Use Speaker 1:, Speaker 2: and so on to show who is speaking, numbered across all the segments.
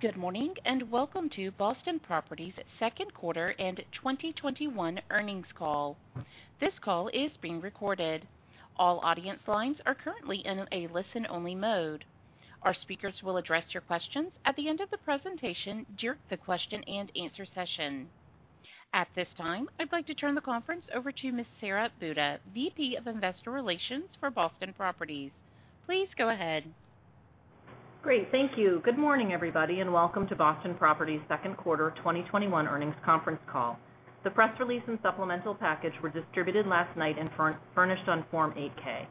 Speaker 1: Good morning, welcome to Boston Properties' second quarter and 2021 earnings call. This call is being recorded. All audience lines are currently in a listen-only mode. Our speakers will address your questions at the end of the presentation during the question and answer session. At this time, I'd like to turn the conference over to Ms. Sara Buda, VP of Investor Relations for Boston Properties. Please go ahead.
Speaker 2: Great. Thank you. Good morning, everybody, and welcome to Boston Properties' second quarter 2021 earnings conference call. The press release and supplemental package were distributed last night and furnished on Form 8-K.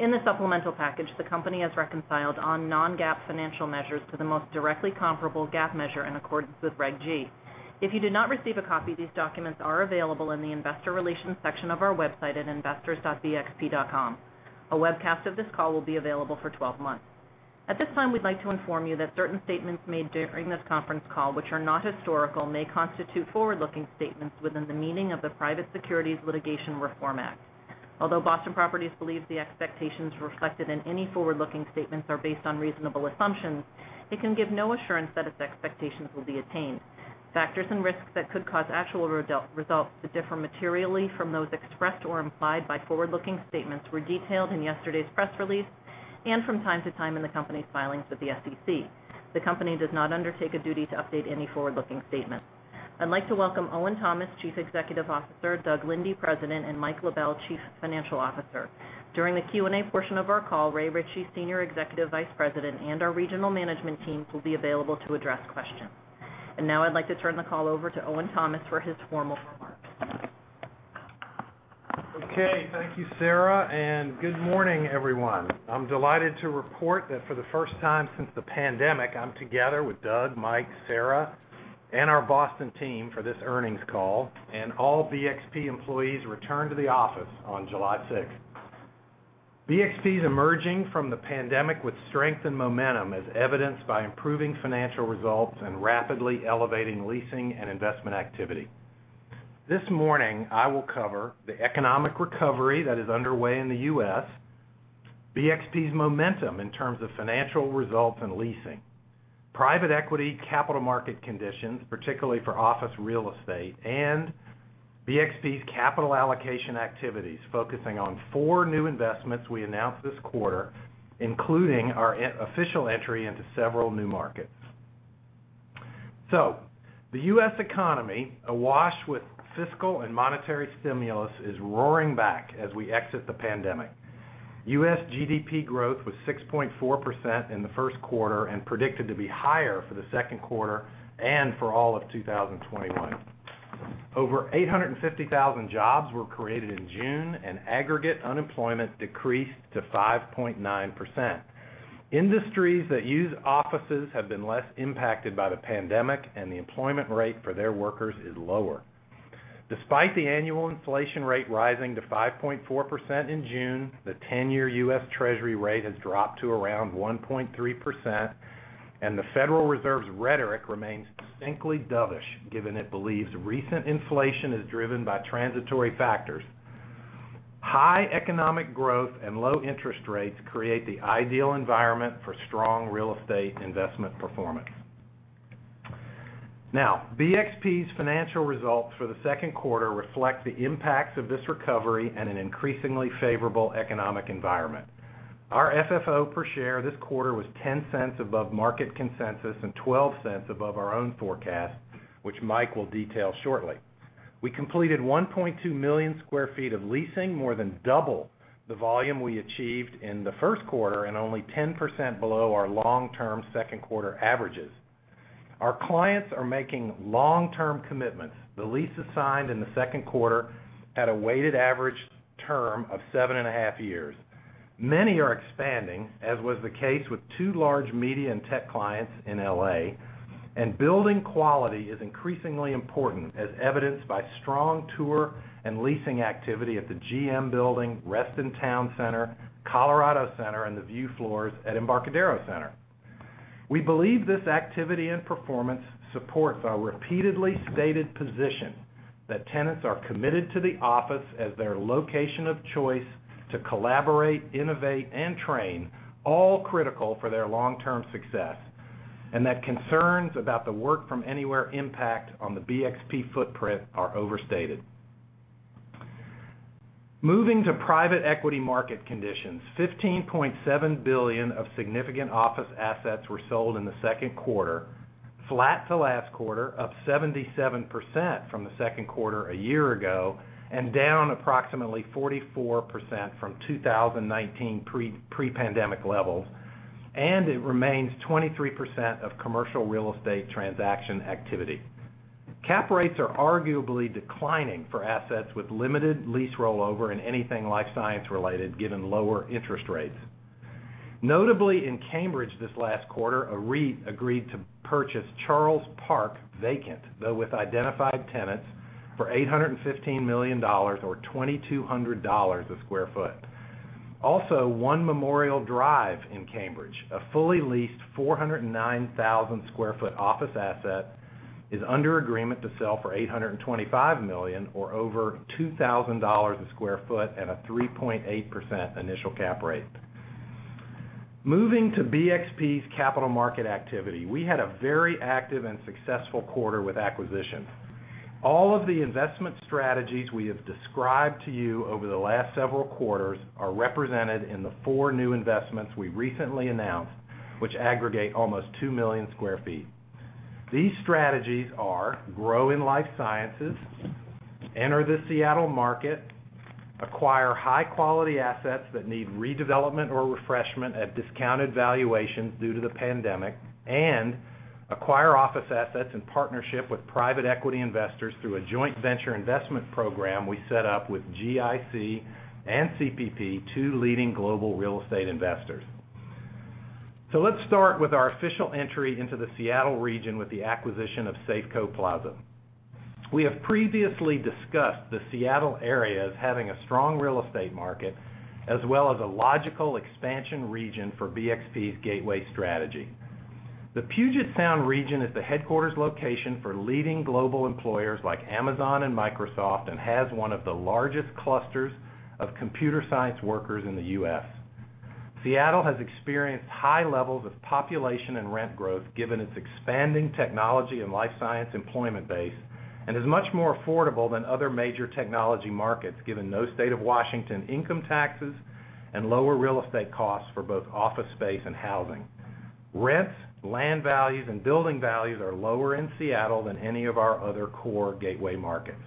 Speaker 2: In the supplemental package, the company has reconciled on non-GAAP financial measures to the most directly comparable GAAP measure in accordance with Reg G. If you did not receive a copy, these documents are available in the investor relations section of our website at investors.bxp.com. A webcast of this call will be available for 12 months. At this time, we'd like to inform you that certain statements made during this conference call, which are not historical, may constitute forward-looking statements within the meaning of the Private Securities Litigation Reform Act. Although Boston Properties believes the expectations reflected in any forward-looking statements are based on reasonable assumptions, it can give no assurance that its expectations will be attained. Factors and risks that could cause actual results to differ materially from those expressed or implied by forward-looking statements were detailed in yesterday's press release and from time to time in the company's filings with the SEC. The company does not undertake a duty to update any forward-looking statements. I'd like to welcome Owen Thomas, Chief Executive Officer, Doug Linde, President, and Mike LaBelle, Chief Financial Officer. During the Q&A portion of our call, Ray Ritchey, Senior Executive Vice President, and our regional management teams will be available to address questions. Now I'd like to turn the call over to Owen Thomas for his formal remarks.
Speaker 3: Okay. Thank you, Sara, and good morning, everyone. I'm delighted to report that for the first time since the pandemic, I'm together with Doug, Mike, Sara, and our Boston team for this earnings call, and all BXP employees returned to the office on July 6th. BXP is emerging from the pandemic with strength and momentum as evidenced by improving financial results and rapidly elevating leasing and investment activity. This morning, I will cover the economic recovery that is underway in the U.S., BXP's momentum in terms of financial results and leasing, private equity capital market conditions, particularly for office real estate, and BXP's capital allocation activities, focusing on four new investments we announced this quarter, including our official entry into several new markets. The U.S. economy, awash with fiscal and monetary stimulus, is roaring back as we exit the pandemic. U.S. GDP growth was 6.4% in the first quarter and predicted to be higher for the second quarter and for all of 2021. Over 850,000 jobs were created in June, aggregate unemployment decreased to 5.9%. Industries that use offices have been less impacted by the pandemic, the employment rate for their workers is lower. Despite the annual inflation rate rising to 5.4% in June, the 10-year U.S. Treasury rate has dropped to around 1.3%, the Federal Reserve's rhetoric remains distinctly dovish, given it believes recent inflation is driven by transitory factors. High economic growth and low interest rates create the ideal environment for strong real estate investment performance. BXP's financial results for the second quarter reflect the impacts of this recovery and an increasingly favorable economic environment. Our FFO per share this quarter was $0.10 above market consensus and $0.12 above our own forecast, which Mike will detail shortly. We completed 1.2 million sq ft of leasing, more than double the volume we achieved in the first quarter and only 10% below our long-term second quarter averages. Our clients are making long-term commitments. The leases signed in the second quarter at a weighted average term of 7.5 years. Many are expanding, as was the case with two large media and tech clients in L.A., and building quality is increasingly important as evidenced by strong tour and leasing activity at the GM Building, Reston Town Center, Colorado Center, and the view floors at Embarcadero Center. We believe this activity and performance supports our repeatedly stated position that tenants are committed to the office as their location of choice to collaborate, innovate, and train, all critical for their long-term success, and that concerns about the work-from-anywhere impact on the BXP footprint are overstated. Moving to private equity market conditions. $15.7 billion of significant office assets were sold in the second quarter, flat to last quarter, up 77% from the second quarter a year ago, and down approximately 44% from 2019 pre-pandemic levels, and it remains 23% of commercial real estate transaction activity. Cap rates are arguably declining for assets with limited lease rollover in anything life science related, given lower interest rates. Notably in Cambridge this last quarter, a REIT agreed to purchase Charles Park vacant, though with identified tenants, for $815 million, or $2,200 a sq ft. One Memorial Drive in Cambridge, a fully leased 409,000 sq ft office asset is under agreement to sell for $825 million, or over $2,000 a sq ft at a 3.8% initial cap rate. Moving to BXP's capital market activity, we had a very active and successful quarter with acquisitions. All of the investment strategies we have described to you over the last several quarters are represented in the four new investments we recently announced, which aggregate almost 2 million sq ft. These strategies are grow in life sciences, enter the Seattle market, acquire high-quality assets that need redevelopment or refreshment at discounted valuations due to the pandemic, and acquire office assets in partnership with private equity investors through a joint venture investment program we set up with GIC and CPP, two leading global real estate investors. Let's start with our official entry into the Seattle region with the acquisition of Safeco Plaza. We have previously discussed the Seattle area as having a strong real estate market, as well as a logical expansion region for BXP's gateway strategy. The Puget Sound region is the headquarters location for leading global employers like Amazon and Microsoft, and has one of the largest clusters of computer science workers in the U.S. Seattle has experienced high levels of population and rent growth given its expanding technology and life science employment base, and is much more affordable than other major technology markets, given no State of Washington income taxes and lower real estate costs for both office space and housing. Rents, land values, and building values are lower in Seattle than any of our other core gateway markets.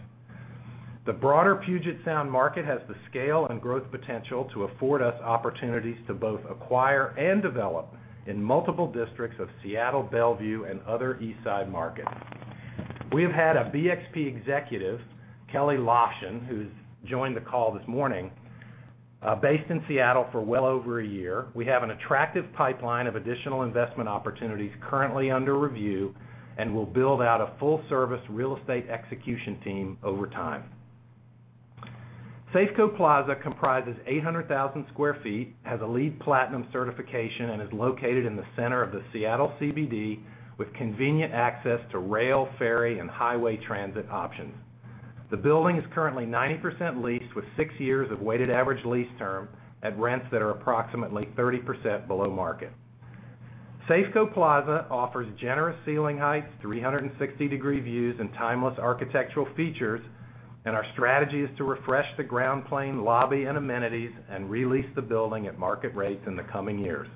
Speaker 3: The broader Puget Sound market has the scale and growth potential to afford us opportunities to both acquire and develop in multiple districts of Seattle, Bellevue, and other East Side markets. We have had a BXP executive, Kelley Lovshin, who has joined the call this morning, based in Seattle for well over a year. We have an attractive pipeline of additional investment opportunities currently under review and will build out a full-service real estate execution team over time. Safeco Plaza comprises 800,000 sq ft, has a LEED Platinum certification, and is located in the center of the Seattle CBD with convenient access to rail, ferry, and highway transit options. The building is currently 90% leased with six years of weighted average lease term at rents that are approximately 30% below market. Safeco Plaza offers generous ceiling heights, 360-degree views, and timeless architectural features, and our strategy is to refresh the ground plane lobby and amenities and re-lease the building at market rates in the coming years.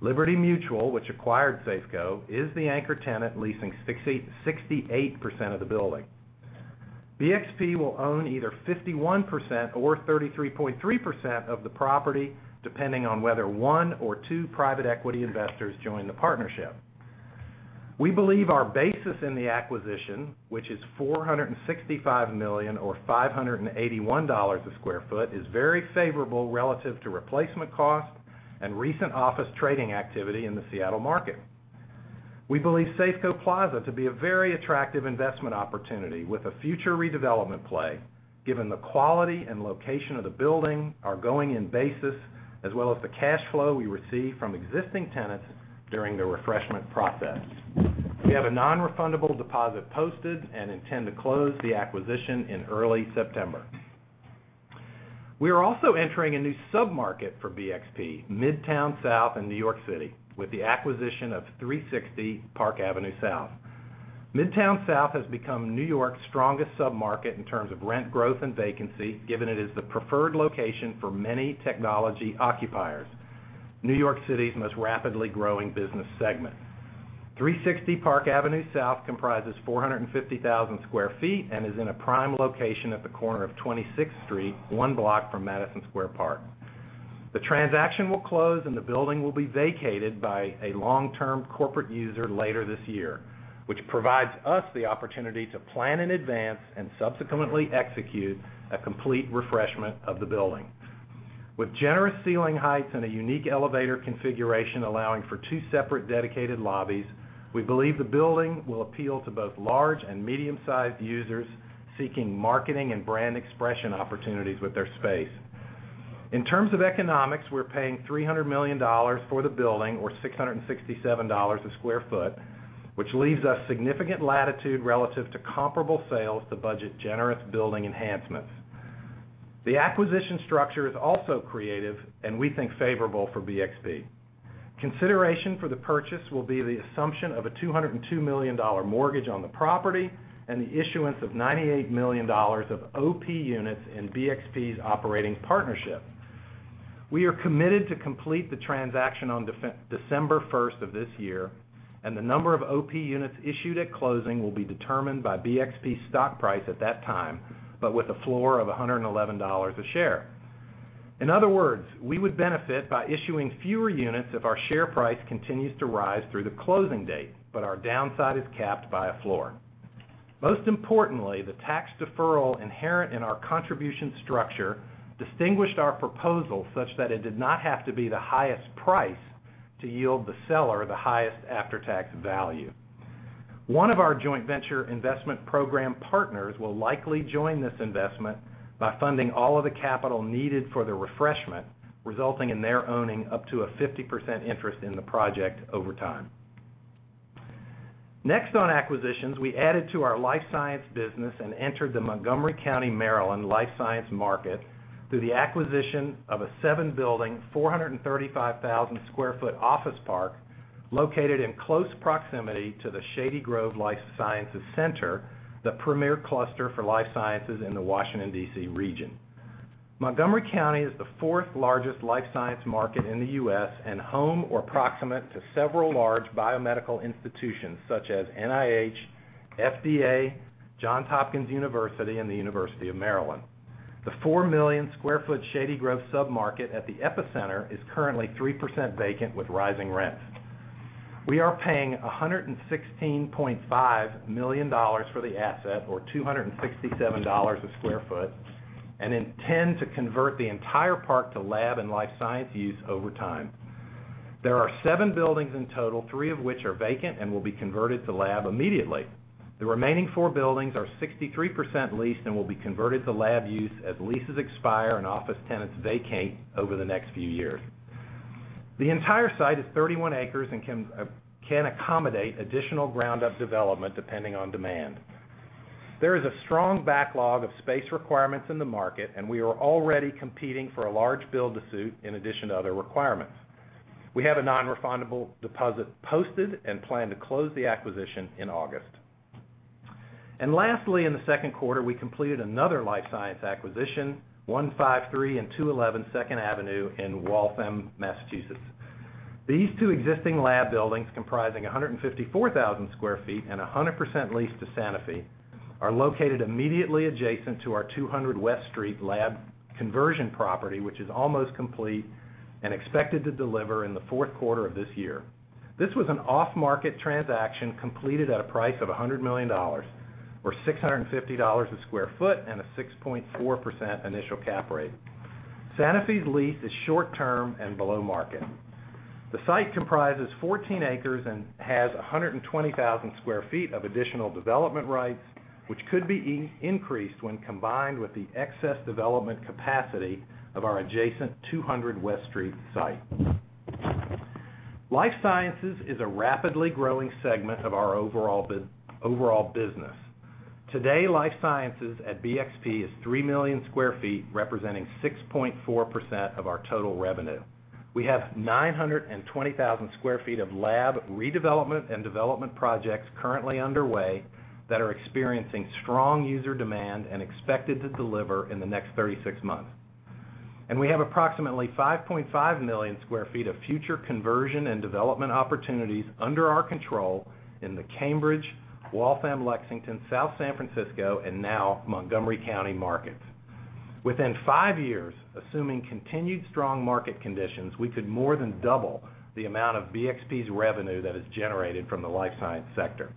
Speaker 3: Liberty Mutual, which acquired Safeco, is the anchor tenant leasing 68% of the building. BXP will own either 51% or 33.3% of the property, depending on whether one or two private equity investors join the partnership. We believe our basis in the acquisition, which is $465 million, or $581 a sq ft, is very favorable relative to replacement cost and recent office trading activity in the Seattle market. We believe Safeco Plaza to be a very attractive investment opportunity with a future redevelopment play given the quality and location of the building, our going-in basis, as well as the cash flow we receive from existing tenants during the refreshment process. We have a nonrefundable deposit posted and intend to close the acquisition in early September. We are also entering a new sub-market for BXP, Midtown South in New York City, with the acquisition of 360 Park Avenue South. Midtown South has become New York's strongest sub-market in terms of rent growth and vacancy, given it is the preferred location for many technology occupiers, New York City's most rapidly growing business segment. 360 Park Avenue South comprises 450,000 sq ft and is in a prime location at the corner of 26th Street, one block from Madison Square Park. The transaction will close and the building will be vacated by a long-term corporate user later this year, which provides us the opportunity to plan in advance and subsequently execute a complete refreshment of the building. With generous ceiling heights and a unique elevator configuration allowing for two separate dedicated lobbies, we believe the building will appeal to both large and medium-sized users seeking marketing and brand expression opportunities with their space. In terms of economics, we are paying $300 million for the building, or $667 a sq ft, which leaves us significant latitude relative to comparable sales to budget generous building enhancements. The acquisition structure is also creative and we think favorable for BXP. Consideration for the purchase will be the assumption of a $202 million mortgage on the property and the issuance of $98 million of OP units in BXP's operating partnership. We are committed to complete the transaction on December 1st of this year, and the number of OP units issued at closing will be determined by BXP's stock price at that time, but with a floor of $111 a share. In other words, we would benefit by issuing fewer units if our share price continues to rise through the closing date, but our downside is capped by a floor. Most importantly, the tax deferral inherent in our contribution structure distinguished our proposal such that it did not have to be the highest price to yield the seller the highest after-tax value. One of our joint venture investment program partners will likely join this investment by funding all of the capital needed for the refreshment, resulting in their owning up to a 50% interest in the project over time. On acquisitions, we added to our life science business and entered the Montgomery County, Maryland life science market through the acquisition of a seven-building, 435,000 sq ft office park located in close proximity to the Shady Grove Life Sciences Center, the premier cluster for life sciences in the Washington, D.C. region. Montgomery County is the fourth-largest life science market in the U.S. and home or proximate to several large biomedical institutions such as NIH, FDA, Johns Hopkins University, and the University of Maryland. The 4 million sq ft Shady Grove sub-market at the epicenter is currently 3% vacant with rising rents. We are paying $116.5 million for the asset, or $267 a sq ft, and intend to convert the entire park to lab and life science use over time. There are seven buildings in total, three of which are vacant and will be converted to lab immediately. The remaining four buildings are 63% leased and will be converted to lab use as leases expire and office tenants vacate over the next few years. The entire site is 31 acres and can accommodate additional ground-up development depending on demand. There is a strong backlog of space requirements in the market, we are already competing for a large build to suit in addition to other requirements. We have a nonrefundable deposit posted and plan to close the acquisition in August. Lastly, in the second quarter, we completed another life science acquisition, 153 and 211 Second Avenue in Waltham, Massachusetts. These two existing lab buildings, comprising 154,000 sq ft and 100% leased to Sanofi, are located immediately adjacent to our 200 West Street lab conversion property, which is almost complete and expected to deliver in the fourth quarter of this year. This was an off-market transaction completed at a price of $100 million, or $650 a sq ft, and a 6.4% initial cap rate. Sanofi's lease is short-term and below market. The site comprises 14 acres and has 120,000 sq ft of additional development rights, which could be increased when combined with the excess development capacity of our adjacent 200 West Street site. Life sciences is a rapidly growing segment of our overall business. Today, life sciences at BXP is 3 million sq ft, representing 6.4% of our total revenue. We have 920,000 sq ft of lab redevelopment and development projects currently underway that are experiencing strong user demand and expected to deliver in the next 36 months. We have approximately 5.5 million sq ft of future conversion and development opportunities under our control in the Cambridge, Waltham, Lexington, South San Francisco, and now Montgomery County markets. Within five years, assuming continued strong market conditions, we could more than double the amount of BXP's revenue that is generated from the life science sector.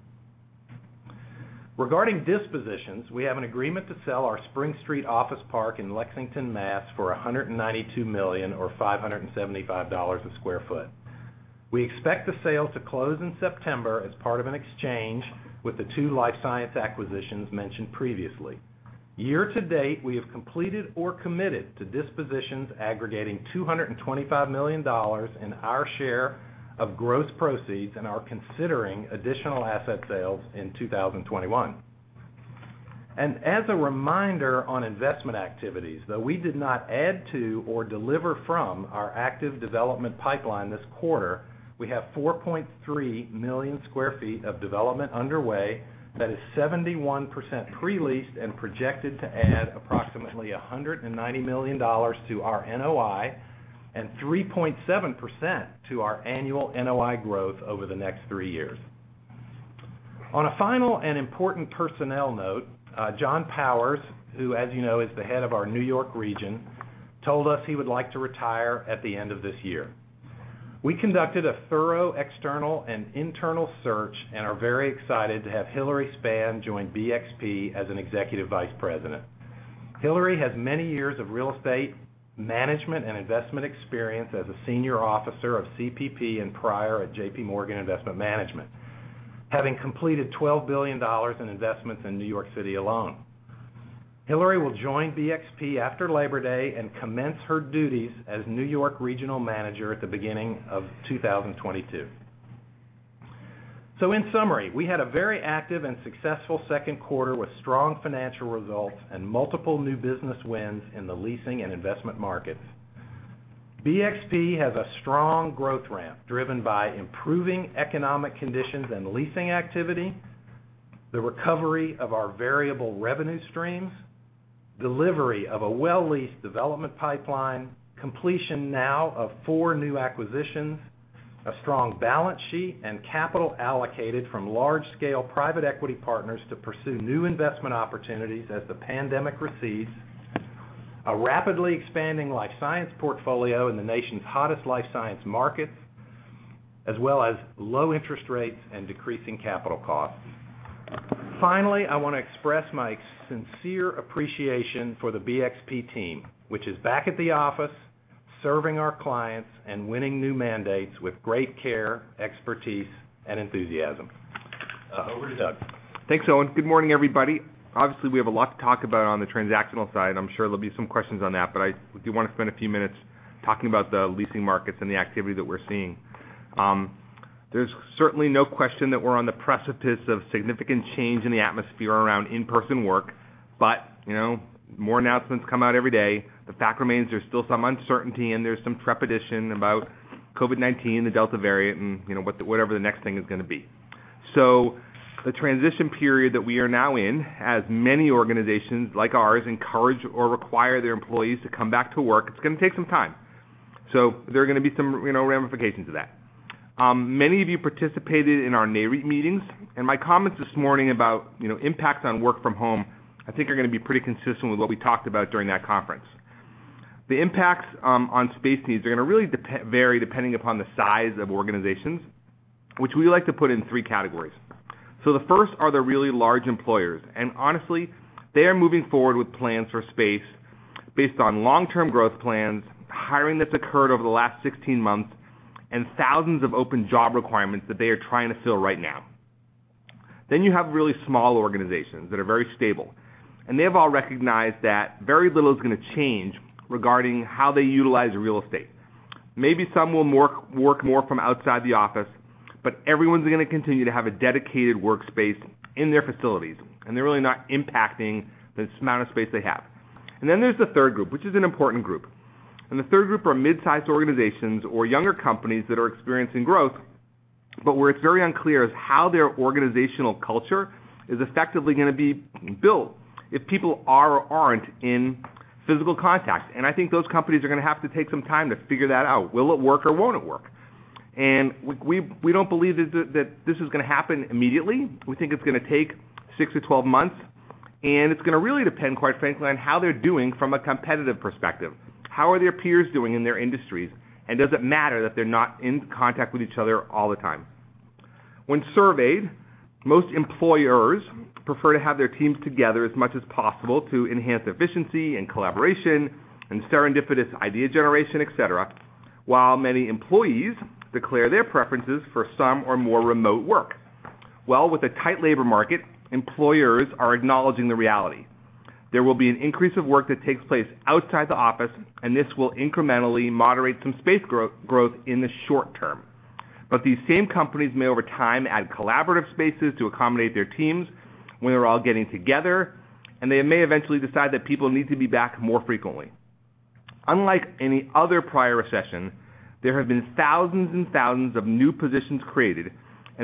Speaker 3: Regarding dispositions, we have an agreement to sell our Spring Street office park in Lexington, Mass for $192 million or $575 a sq ft. We expect the sale to close in September as part of an exchange with the two life science acquisitions mentioned previously. Year-to-date, we have completed or committed to dispositions aggregating $225 million in our share of gross proceeds and are considering additional asset sales in 2021. As a reminder on investment activities, though we did not add to or deliver from our active development pipeline this quarter, we have 4.3 million sq ft of development underway that is 71% pre-leased and projected to add approximately $190 million to our NOI and 3.7% to our annual NOI growth over the next three years. On a final and important personnel note, John Powers, who as you know is the head of our New York region, told us he would like to retire at the end of this year. We conducted a thorough external and internal search and are very excited to have Hilary Spann join BXP as an Executive Vice President. Hilary has many years of real estate management and investment experience as a senior officer of CPP and prior at JPMorgan Investment Management, having completed $12 billion in investments in New York City alone. Hilary will join BXP after Labor Day and commence her duties as New York regional manager at the beginning of 2022. In summary, we had a very active and successful second quarter with strong financial results and multiple new business wins in the leasing and investment markets. BXP has a strong growth ramp driven by improving economic conditions and leasing activity, the recovery of our variable revenue streams, delivery of a well-leased development pipeline, completion now of four new acquisitions, a strong balance sheet, and capital allocated from large-scale private equity partners to pursue new investment opportunities as the pandemic recedes, a rapidly expanding life science portfolio in the nation's hottest life science markets, as well as low interest rates and decreasing capital costs. Finally, I want to express my sincere appreciation for the BXP team, which is back at the office, serving our clients and winning new mandates with great care, expertise, and enthusiasm. Over to Doug.
Speaker 4: Thanks, Owen. Good morning, everybody. Obviously, we have a lot to talk about on the transactional side. I'm sure there'll be some questions on that, but I do want to spend a few minutes talking about the leasing markets and the activity that we're seeing. There's certainly no question that we're on the precipice of significant change in the atmosphere around in-person work, but more announcements come out every day. The fact remains there's still some uncertainty and there's some trepidation about COVID-19, the Delta variant and whatever the next thing is going to be. The transition period that we are now in, as many organizations like ours encourage or require their employees to come back to work, it's going to take some time. There are going to be some ramifications of that. Many of you participated in our Nareit meetings. My comments this morning about impacts on work from home, I think are going to be pretty consistent with what we talked about during that conference. The impacts on space needs are going to really vary depending upon the size of organizations, which we like to put in three categories. The first are the really large employers, and honestly, they are moving forward with plans for space based on long-term growth plans, hiring that's occurred over the last 16 months, and thousands of open job requirements that they are trying to fill right now. You have really small organizations that are very stable, and they have all recognized that very little is going to change regarding how they utilize real estate. Maybe some will work more from outside the office, but everyone's going to continue to have a dedicated workspace in their facilities, and they're really not impacting the amount of space they have. Then there's the third group, which is an important group. The third group are mid-size organizations or younger companies that are experiencing growth, but where it's very unclear is how their organizational culture is effectively going to be built if people are or aren't in physical contact. I think those companies are going to have to take some time to figure that out. Will it work or won't it work? We don't believe that this is going to happen immediately. We think it's going to take 6 to 12 months, and it's going to really depend, quite frankly, on how they're doing from a competitive perspective. How are their peers doing in their industries? Does it matter that they're not in contact with each other all the time? When surveyed, most employers prefer to have their teams together as much as possible to enhance efficiency and collaboration and serendipitous idea generation, et cetera, while many employees declare their preferences for some or more remote work. With a tight labor market, employers are acknowledging the reality. There will be an increase of work that takes place outside the office, and this will incrementally moderate some space growth in the short term. These same companies may over time add collaborative spaces to accommodate their teams when they're all getting together, and they may eventually decide that people need to be back more frequently. Unlike any other prior recession, there have been thousands and thousands of new positions created,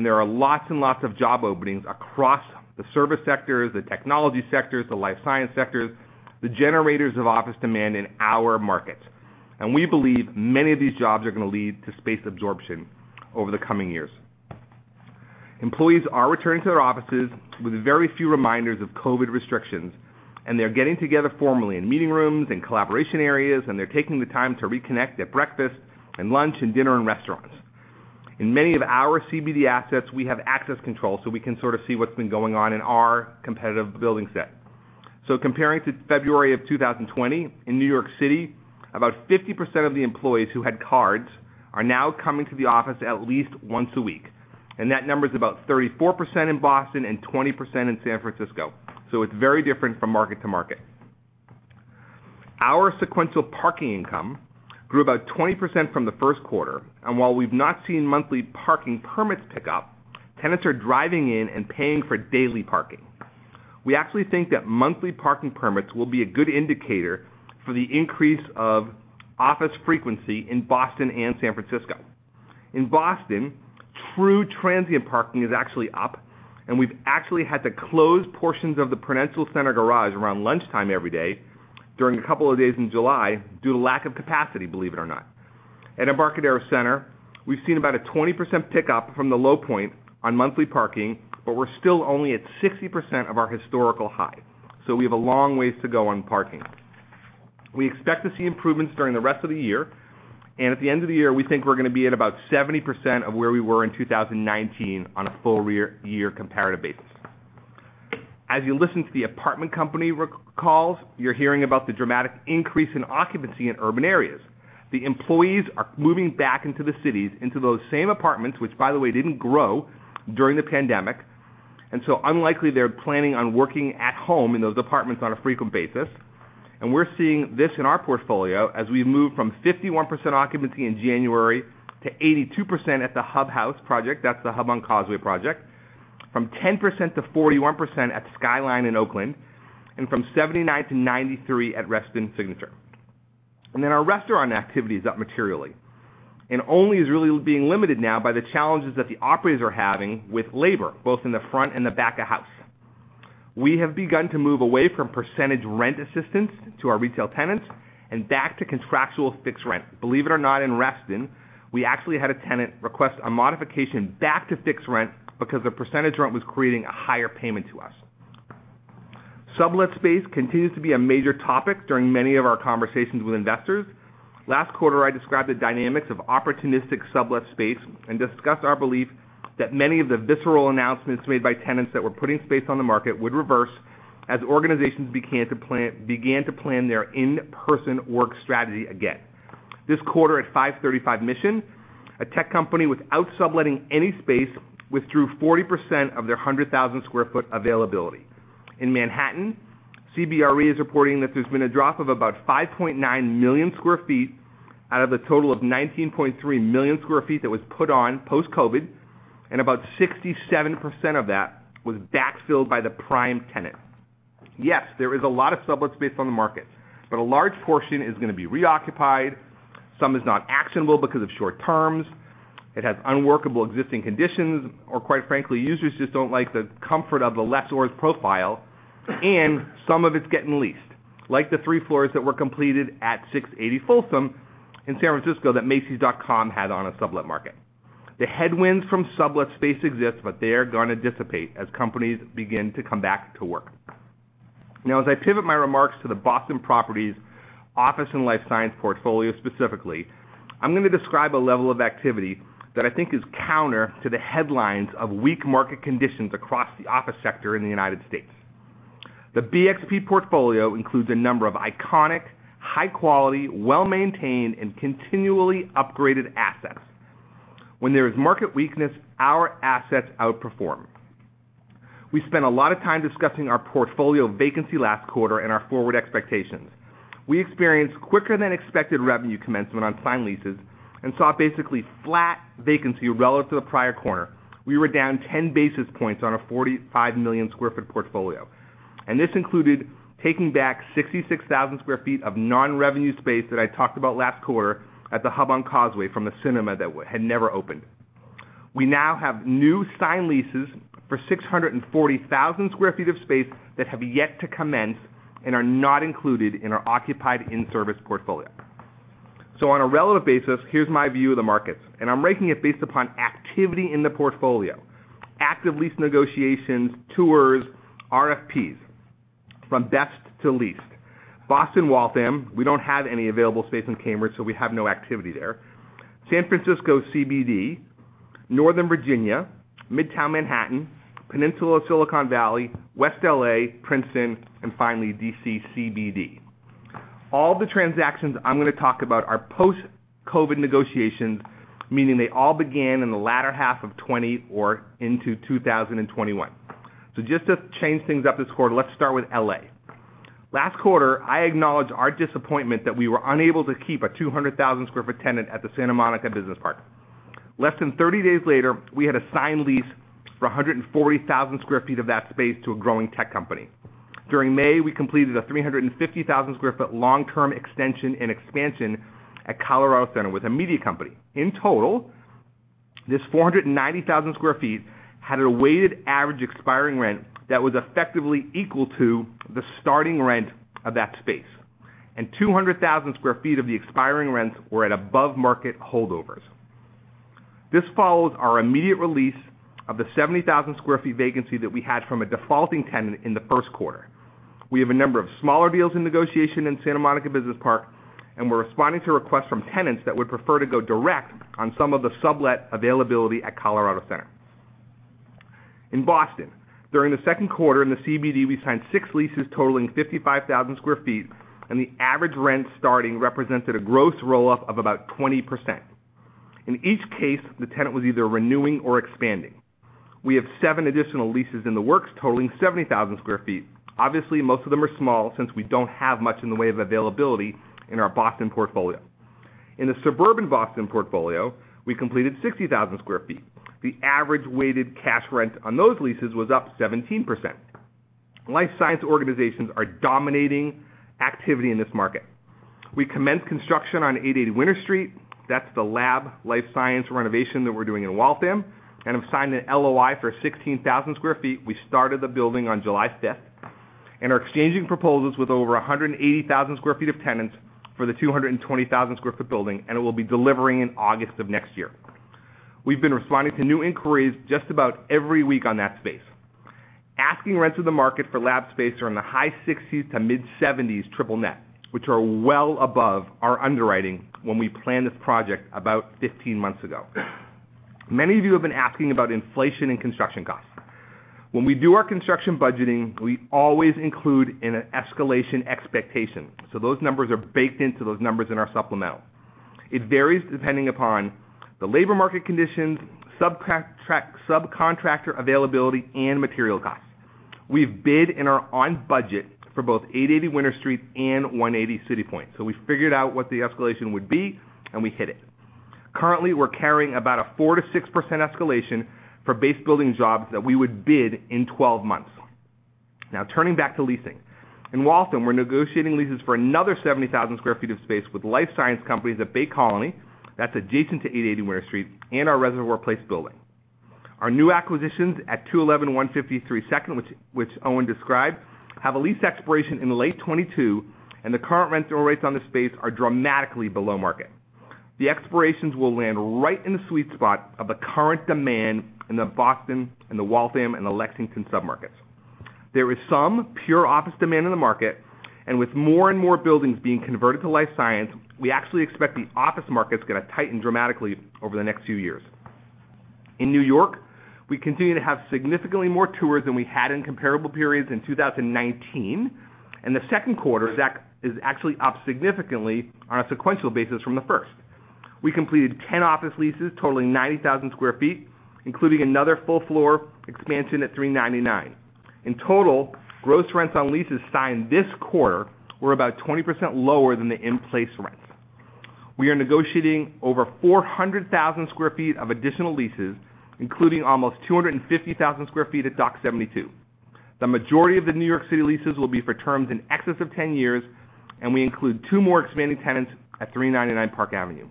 Speaker 4: there are lots and lots of job openings across the service sectors, the technology sectors, the life science sectors, the generators of office demand in our market. We believe many of these jobs are going to lead to space absorption over the coming years. Employees are returning to their offices with very few reminders of COVID restrictions, they're getting together formally in meeting rooms and collaboration areas, they're taking the time to reconnect at breakfast and lunch and dinner in restaurants. In many of our CBD assets, we have access control, we can sort of see what's been going on in our competitive building set. Comparing to February of 2020 in New York City, about 50% of the employees who had cards are now coming to the office at least once a week. That number is about 34% in Boston and 20% in San Francisco. Our sequential parking income grew about 20% from the first quarter, and while we've not seen monthly parking permits pick up, tenants are driving in and paying for daily parking. We actually think that monthly parking permits will be a good indicator for the increase of office frequency in Boston and San Francisco. In Boston, true transient parking is actually up, and we've actually had to close portions of the Prudential Center garage around lunchtime every day during a couple of days in July due to lack of capacity, believe it or not. At Embarcadero Center, we've seen about a 20% pickup from the low point on monthly parking, but we're still only at 60% of our historical high. We have a long ways to go on parking. We expect to see improvements during the rest of the year, and at the end of the year, we think we're going to be at about 70% of where we were in 2019 on a full-year comparative basis. As you listen to the apartment company recalls, you're hearing about the dramatic increase in occupancy in urban areas. The employees are moving back into the cities, into those same apartments, which by the way, didn't grow during the pandemic. Unlikely they're planning on working at home in those apartments on a frequent basis. We're seeing this in our portfolio as we move from 51% occupancy in January to 82% at The Hub on Causeway project, that's The Hub on Causeway project, from 10% to 41% at Skylyne in Oakland, and from 79% to 93% at Reston Signature. Our restaurant activity is up materially, and only is really being limited now by the challenges that the operators are having with labor, both in the front and the back of house. We have begun to move away from percentage rent assistance to our retail tenants and back to contractual fixed rent. Believe it or not, in Reston, we actually had a tenant request a modification back to fixed rent because the percentage rent was creating a higher payment to us. Sublet space continues to be a major topic during many of our conversations with investors. Last quarter, I described the dynamics of opportunistic sublet space and discussed our belief that many of the visceral announcements made by tenants that were putting space on the market would reverse as organizations began to plan their in-person work strategy again. This quarter at 535 Mission, a tech company without subletting any space withdrew 40% of their 100,000 sq ft availability. In Manhattan, CBRE is reporting that there has been a drop of about 5.9 million sq ft out of the total of 19.3 million sq ft that was put on post-COVID, and about 67% of that was backfilled by the prime tenant. Yes, there is a lot of sublet space on the market, but a large portion is going to be reoccupied. Some is not actionable because of short terms. It has unworkable existing conditions, or quite frankly, users just don't like the comfort of the lessor's profile. Some of it's getting leased, like the three floors that were completed at 680 Folsom in San Francisco that macys.com had on a sublet market. The headwinds from sublet space exist, but they are going to dissipate as companies begin to come back to work. Now, as I pivot my remarks to the Boston Properties office and life science portfolio, specifically, I'm going to describe a level of activity that I think is counter to the headlines of weak market conditions across the office sector in the United States. The BXP portfolio includes a number of iconic, high quality, well-maintained and continually upgraded assets. When there is market weakness, our assets outperform. We spent a lot of time discussing our portfolio vacancy last quarter and our forward expectations. We experienced quicker than expected revenue commencement on signed leases and saw basically flat vacancy relative to the prior quarter. We were down 10 basis points on a 45 million sq ft portfolio, and this included taking back 66,000 sq ft of non-revenue space that I talked about last quarter at The Hub on Causeway from a cinema that had never opened. We now have new signed leases for 640,000 sq ft of space that have yet to commence and are not included in our occupied in-service portfolio. On a relative basis, here's my view of the markets, and I'm ranking it based upon activity in the portfolio. Active lease negotiations, tours, RFPs. From best to least. Boston, Waltham. We don't have any available space in Cambridge, so we have no activity there. San Francisco CBD, Northern Virginia, Midtown Manhattan, Peninsula Silicon Valley, West LA, Princeton, and finally, DC CBD. All the transactions I'm going to talk about are post-COVID-19 negotiations, meaning they all began in the latter half of 2020 or into 2021. Just to change things up this quarter, let's start with LA. Last quarter, I acknowledged our disappointment that we were unable to keep a 200,000 sq ft tenant at the Santa Monica Business Park. Less than 30 days later, we had a signed lease for 140,000 sq ft of that space to a growing tech company. During May, we completed a 350,000 sq ft long-term extension and expansion at Colorado Center with a media company. In total, this 490,000 sq ft had a weighted average expiring rent that was effectively equal to the starting rent of that space, and 200,000 sq ft of the expiring rents were at above-market holdovers. This followed our immediate re-lease of the 70,000 sq ft vacancy that we had from a defaulting tenant in the first quarter. We have a number of smaller deals in negotiation in Santa Monica Business Park, and we're responding to requests from tenants that would prefer to go direct on some of the sublet availability at Colorado Center. In Boston, during the second quarter in the CBD, we signed six leases totaling 55,000 sq ft, and the average rent starting represented a gross roll-up of about 20%. In each case, the tenant was either renewing or expanding. We have seven additional leases in the works totaling 70,000 sq ft. Obviously, most of them are small, since we don't have much in the way of availability in our Boston portfolio. In the suburban Boston portfolio, we completed 60,000 sq ft. The average weighted cash rent on those leases was up 17%. Life science organizations are dominating activity in this market. We commenced construction on 880 Winter Street. That's the lab life science renovation that we're doing in Waltham, and have signed an LOI for 16,000 sq ft. We started the building on July 5th and are exchanging proposals with over 180,000 sq ft of tenants for the 220,000 sq ft building, and it will be delivering in August of next year. We've been responding to new inquiries just about every week on that space. Asking rents in the market for lab space are in the high $60s to mid-$70s triple net, which are well above our underwriting when we planned this project about 15 months ago. Many of you have been asking about inflation and construction costs. When we do our construction budgeting, we always include an escalation expectation, so those numbers are baked into those numbers in our supplemental. It varies depending upon the labor market conditions, subcontractor availability, and material costs. We've bid and are on budget for both 880 Winter Street and 180 CityPoint. We figured out what the escalation would be and we hit it. Currently, we're carrying about a 4%-6% escalation for base building jobs that we would bid in 12 months. Turning back to leasing. In Waltham, we're negotiating leases for another 70,000 sq ft of space with life science companies at Bay Colony. That's adjacent to 880 Winter Street and our Reservoir Place building. Our new acquisitions at 211 and 153 Second, which Owen described, have a lease expiration in late 2022, and the current rental rates on the space are dramatically below market. The expirations will land right in the sweet spot of the current demand in the Boston and the Waltham and the Lexington submarkets. There is some pure office demand in the market, and with more and more buildings being converted to life science, we actually expect the office market's going to tighten dramatically over the next few years. In New York, we continue to have significantly more tours than we had in comparable periods in 2019. The second quarter is actually up significantly on a sequential basis from the first. We completed 10 office leases totaling 90,000 sq ft, including another full floor expansion at 399 Park Avenue. In total, gross rents on leases signed this quarter were about 20% lower than the in-place rents. We are negotiating over 400,000 sq ft of additional leases, including almost 250,000 sq ft at Dock72. The majority of the New York City leases will be for terms in excess of 10 years, and we include two more expanding tenants at 399 Park Avenue.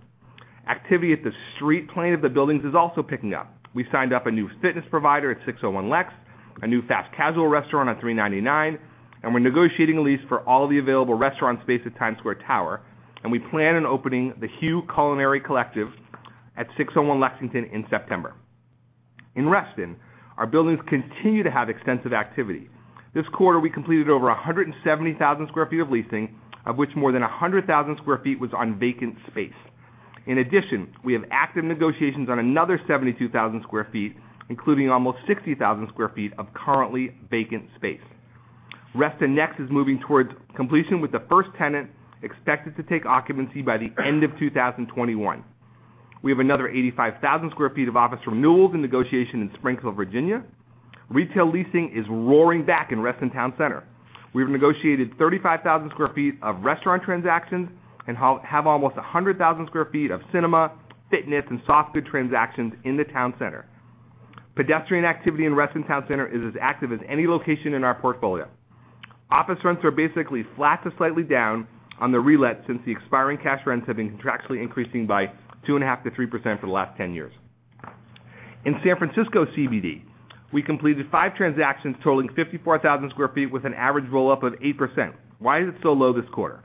Speaker 4: Activity at the street plane of the buildings is also picking up. We signed up a new fitness provider at 601 Lex, a new fast-casual restaurant on 399 Park Avenue, and we're negotiating a lease for all the available restaurant space at Times Square Tower. We plan on opening the Hue Culinary Collective at 601 Lexington in September. In Reston, our buildings continue to have extensive activity. This quarter, we completed over 170,000 sq ft of leasing, of which more than 100,000 sq ft was on vacant space. In addition, we have active negotiations on another 72,000 sq ft, including almost 60,000 sq ft of currently vacant space. Reston Next is moving towards completion with the first tenant expected to take occupancy by the end of 2021. We have another 85,000 sq ft of office renewals and negotiation in Springfield, Virginia. Retail leasing is roaring back in Reston Town Center. We've negotiated 35,000 sq ft of restaurant transactions and have almost 100,000 sq ft of cinema, fitness, and software transactions in the town center. Pedestrian activity in Reston Town Center is as active as any location in our portfolio. Office rents are basically flat to slightly down on the relet, since the expiring cash rents have been contractually increasing by 2.5% to 3% for the last 10 years. In San Francisco CBD, we completed five transactions totaling 54,000 sq ft, with an average roll-up of 8%. Why is it so low this quarter?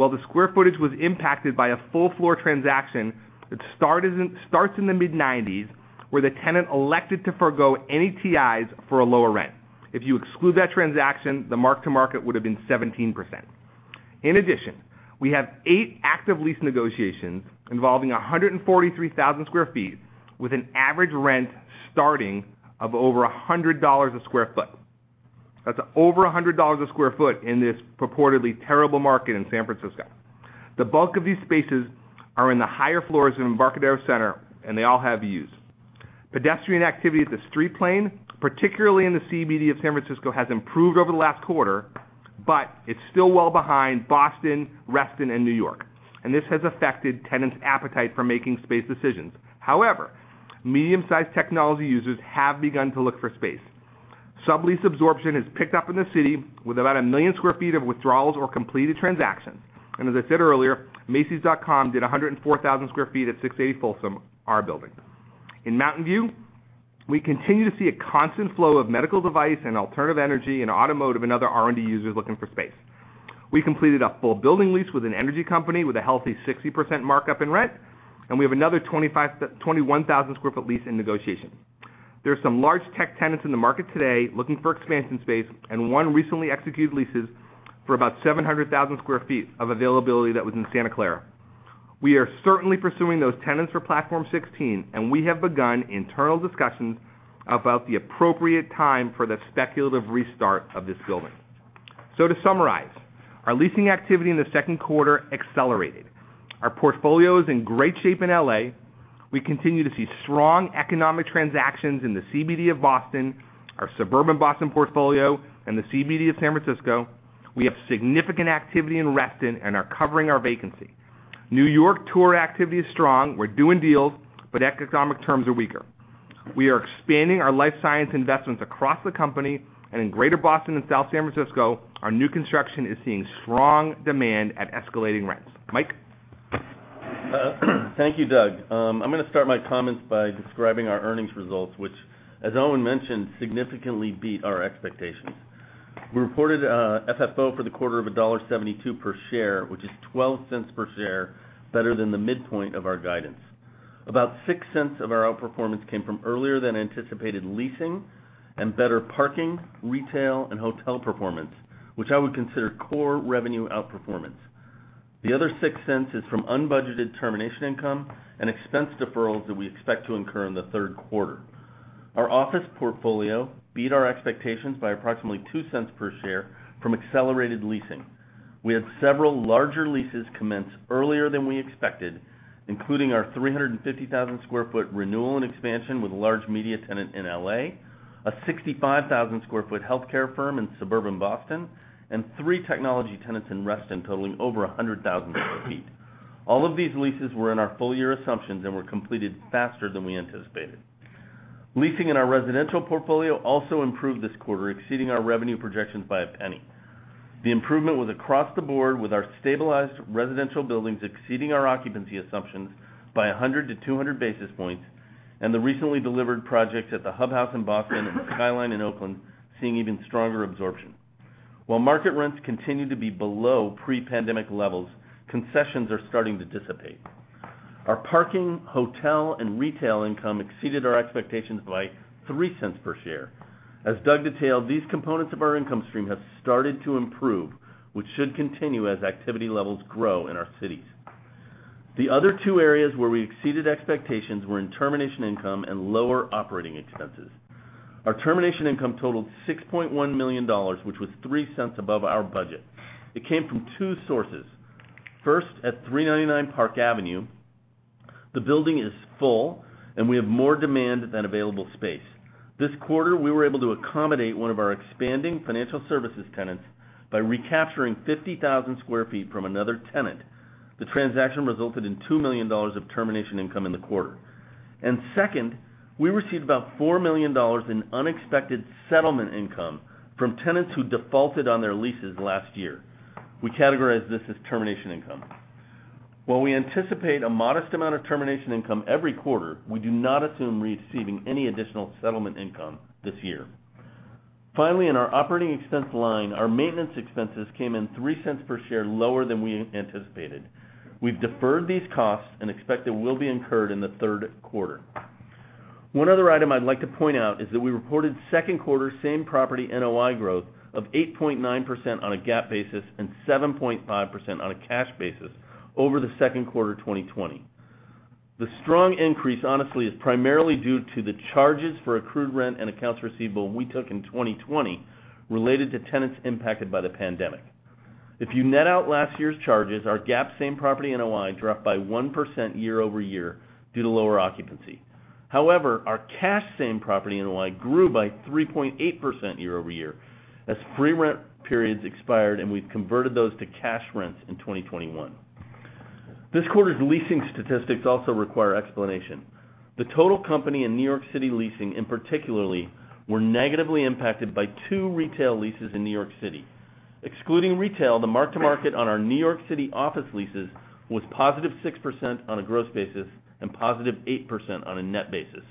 Speaker 4: Well, the sq ftage was impacted by a full floor transaction that starts in the mid-'90s, where the tenant elected to forgo any TIs for a lower rent. If you exclude that transaction, the mark-to-market would have been 17%. In addition, we have eight active lease negotiations involving 143,000 sq ft with an average rent starting of over $100 a sq ft. That's over $100 a sq ft in this purportedly terrible market in San Francisco. The bulk of these spaces are in the higher floors of Embarcadero Center, and they all have views. Pedestrian activity at the street plane, particularly in the CBD of San Francisco, has improved over the last quarter, but it's still well behind Boston, Reston, and New York, and this has affected tenants' appetite for making space decisions. However, medium-sized technology users have begun to look for space. Sublease absorption has picked up in the city, with about a million sq ft of withdrawals or completed transactions. As I said earlier, macys.com did 104,000 sq ft at 680 Folsom, our building. In Mountain View, we continue to see a constant flow of medical device and alternative energy and automotive and other R&D users looking for space. We completed a full building lease with an energy company with a healthy 60% markup in rent. We have another 21,000 sq ft lease in negotiation. There are some large tech tenants in the market today looking for expansion space. One recently executed leases for about 700,000 sq ft of availability that was in Santa Clara. We are certainly pursuing those tenants for Platform 16. We have begun internal discussions about the appropriate time for the speculative restart of this building. To summarize, our leasing activity in the second quarter accelerated. Our portfolio is in great shape in LA. We continue to see strong economic transactions in the CBD of Boston, our suburban Boston portfolio, and the CBD of San Francisco. We have significant activity in Reston and are covering our vacancy. New York tour activity is strong. We're doing deals, but economic terms are weaker. We are expanding our life science investments across the company, and in Greater Boston and South San Francisco, our new construction is seeing strong demand at escalating rents. Mike?
Speaker 5: Thank you, Doug. I'm going to start my comments by describing our earnings results, which, as Owen mentioned, significantly beat our expectations. We reported FFO for the quarter of $1.72 per share, which is $0.12 per share better than the midpoint of our guidance. About $0.06 of our outperformance came from earlier-than-anticipated leasing and better parking, retail, and hotel performance, which I would consider core revenue outperformance. The other $0.06 is from unbudgeted termination income and expense deferrals that we expect to incur in the third quarter. Our office portfolio beat our expectations by approximately $0.02 per share from accelerated leasing. We had several larger leases commence earlier than we expected, including our 350,000 sq ft renewal and expansion with a large media tenant in LA, a 65,000 sq ft healthcare firm in suburban Boston, and three technology tenants in Reston totaling over 100,000 sq ft. All of these leases were in our full-year assumptions and were completed faster than we anticipated. Leasing in our residential portfolio also improved this quarter, exceeding our revenue projections by $0.01. The improvement was across the board, with our stabilized residential buildings exceeding our occupancy assumptions by 100-200 basis points and the recently delivered projects at The Hub on Causeway in Boston and Skylyne in Oakland seeing even stronger absorption. While market rents continue to be below pre-pandemic levels, concessions are starting to dissipate. Our parking, hotel, and retail income exceeded our expectations by $0.03 per share. As Doug detailed, these components of our income stream have started to improve, which should continue as activity levels grow in our cities. The other two areas where we exceeded expectations were in termination income and lower operating expenses. Our termination income totaled $6.1 million, which was $0.03 above our budget. It came from two sources. First, at 399 Park Avenue, the building is full, and we have more demand than available space. This quarter, we were able to accommodate one of our expanding financial services tenants by recapturing 50,000 sq ft from another tenant. The transaction resulted in $2 million of termination income in the quarter. Second, we received about $4 million in unexpected settlement income from tenants who defaulted on their leases last year. We categorize this as termination income. While we anticipate a modest amount of termination income every quarter, we do not assume receiving any additional settlement income this year. Finally, in our operating expense line, our maintenance expenses came in $0.03 per share lower than we anticipated. We've deferred these costs and expect they will be incurred in the third quarter. One other item I'd like to point out is that we reported second quarter same-property NOI growth of 8.9% on a GAAP basis and 7.5% on a cash basis over the second quarter 2020. The strong increase, honestly is primarily due to the charges for accrued rent and accounts receivable we took in 2020 related to tenants impacted by the pandemic. If you net out last year's charges, our GAAP same-property NOI dropped by 1% year-over-year due to lower occupancy. Our cash same-property NOI grew by 3.8% year-over-year as free rent periods expired, and we've converted those to cash rents in 2021. This quarter's leasing statistics also require explanation. The total company in New York City leasing in particular, were negatively impacted by two retail leases in New York City. Excluding retail, the mark to market on our New York City office leases was +6% on a gross basis and +8% on a net basis.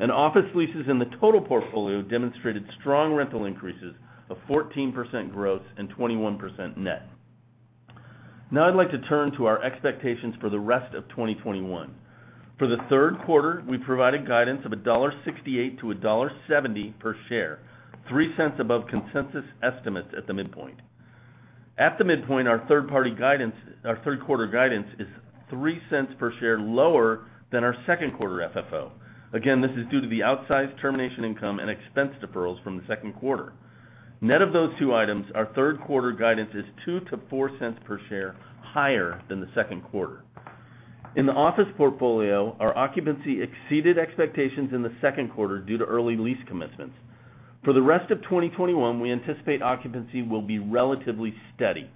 Speaker 5: Office leases in the total portfolio demonstrated strong rental increases of 14% growth and 21% net. I'd like to turn to our expectations for the rest of 2021. For the third quarter, we provided guidance of $1.68-$1.70 per share, $0.03 above consensus estimates at the midpoint. At the midpoint, our third quarter guidance is $0.03 per share lower than our second quarter FFO. This is due to the outsized termination income and expense deferrals from the second quarter. Net of those two items, our third quarter guidance is $0.02-$0.04 per share higher than the second quarter. In the office portfolio, our occupancy exceeded expectations in the second quarter due to early lease commitments. For the rest of 2021, we anticipate occupancy will be relatively steady.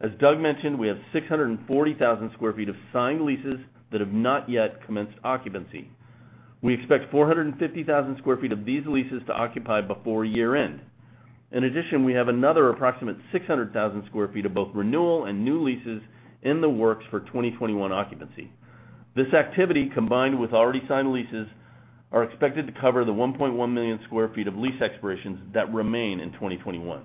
Speaker 5: As Doug mentioned, we have 640,000 sq ft of signed leases that have not yet commenced occupancy. We expect 450,000 sq ft of these leases to occupy before year-end. In addition, we have another approximate 600,000 sq ft of both renewal and new leases in the works for 2021 occupancy. This activity, combined with already signed leases, are expected to cover the 1.1 million sq ft of lease expirations that remain in 2021.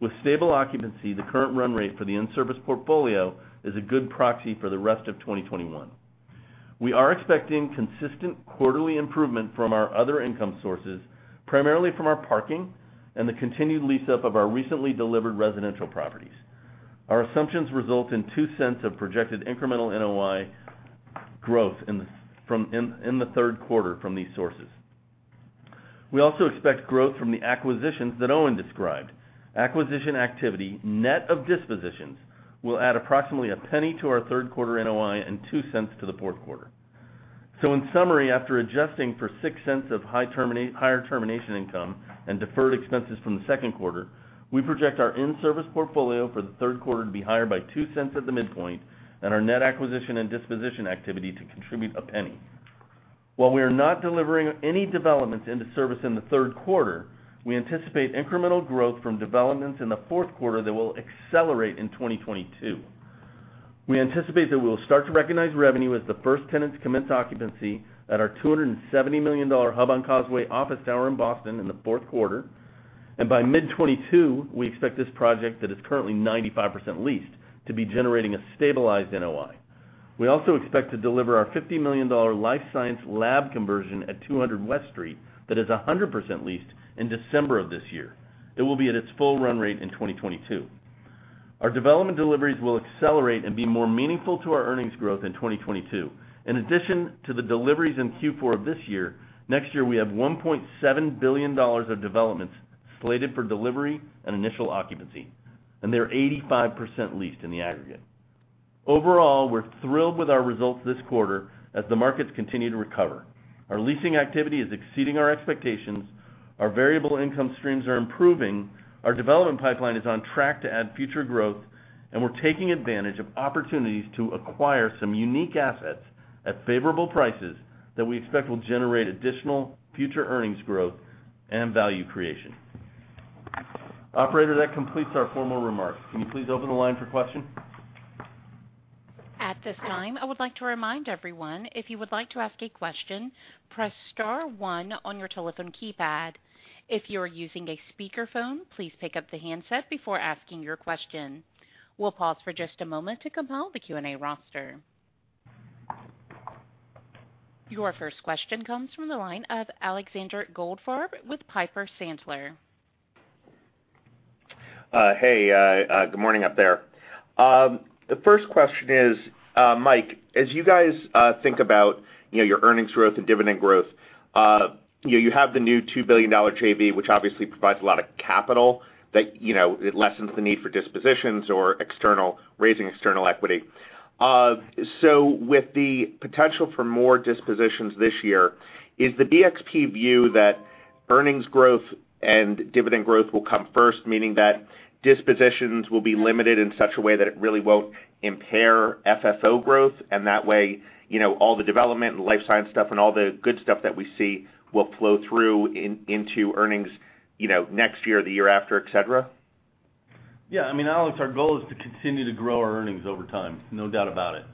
Speaker 5: With stable occupancy, the current run rate for the in-service portfolio is a good proxy for the rest of 2021. We are expecting consistent quarterly improvement from our other income sources, primarily from our parking and the continued lease-up of our recently delivered residential properties. Our assumptions result in $0.02 of projected incremental NOI growth in the third quarter from these sources. We also expect growth from the acquisitions that Owen described. Acquisition activity, net of dispositions, will add approximately $0.01 to our third quarter NOI and $0.02 to the fourth quarter. In summary, after adjusting for $0.06 of higher termination income and deferred expenses from the second quarter, we project our in-service portfolio for the third quarter to be higher by $0.02 at the midpoint and our net acquisition and disposition activity to contribute $0.01. While we are not delivering any developments into service in the third quarter, we anticipate incremental growth from developments in the fourth quarter that will accelerate in 2022. We anticipate that we'll start to recognize revenue as the first tenants commence occupancy at our $270 million The Hub on Causeway office tower in Boston in the fourth quarter. By mid 2022, we expect this project, that is currently 95% leased, to be generating a stabilized NOI. We also expect to deliver our $50 million life science lab conversion at 200 West Street, that is 100% leased, in December of this year. It will be at its full run rate in 2022. Our development deliveries will accelerate and be more meaningful to our earnings growth in 2022. In addition to the deliveries in Q4 of this year, next year, we have $1.7 billion of developments slated for delivery and initial occupancy, and they're 85% leased in the aggregate. Overall, we're thrilled with our results this quarter as the markets continue to recover. Our leasing activity is exceeding our expectations, our variable income streams are improving, our development pipeline is on track to add future growth, and we're taking advantage of opportunities to acquire some unique assets at favorable prices that we expect will generate additional future earnings growth and value creation. Operator, that completes our formal remarks. Can you please open the line for questions?
Speaker 1: At this time, I would like to remind everyone, if you would like to ask a question, press star one on your telephone keypad. If you are using a speakerphone, please pick up the handset before asking your question. We'll pause for just a moment to compile the Q&A roster. Your first question comes from the line of Alexander Goldfarb with Piper Sandler.
Speaker 6: Hey, good morning up there. The first question is, Mike, as you guys think about your earnings growth and dividend growth, you have the new $2 billion JV, which obviously provides a lot of capital that lessens the need for dispositions or raising external equity. With the potential for more dispositions this year, is the BXP view that earnings growth and dividend growth will come first, meaning that dispositions will be limited in such a way that it really won't impair FFO growth, and that way, all the development and life science stuff and all the good stuff that we see will flow through into earnings, next year or the year after, et cetera?
Speaker 5: Yeah. Alex, our goal is to continue to grow our earnings over time, no doubt about it.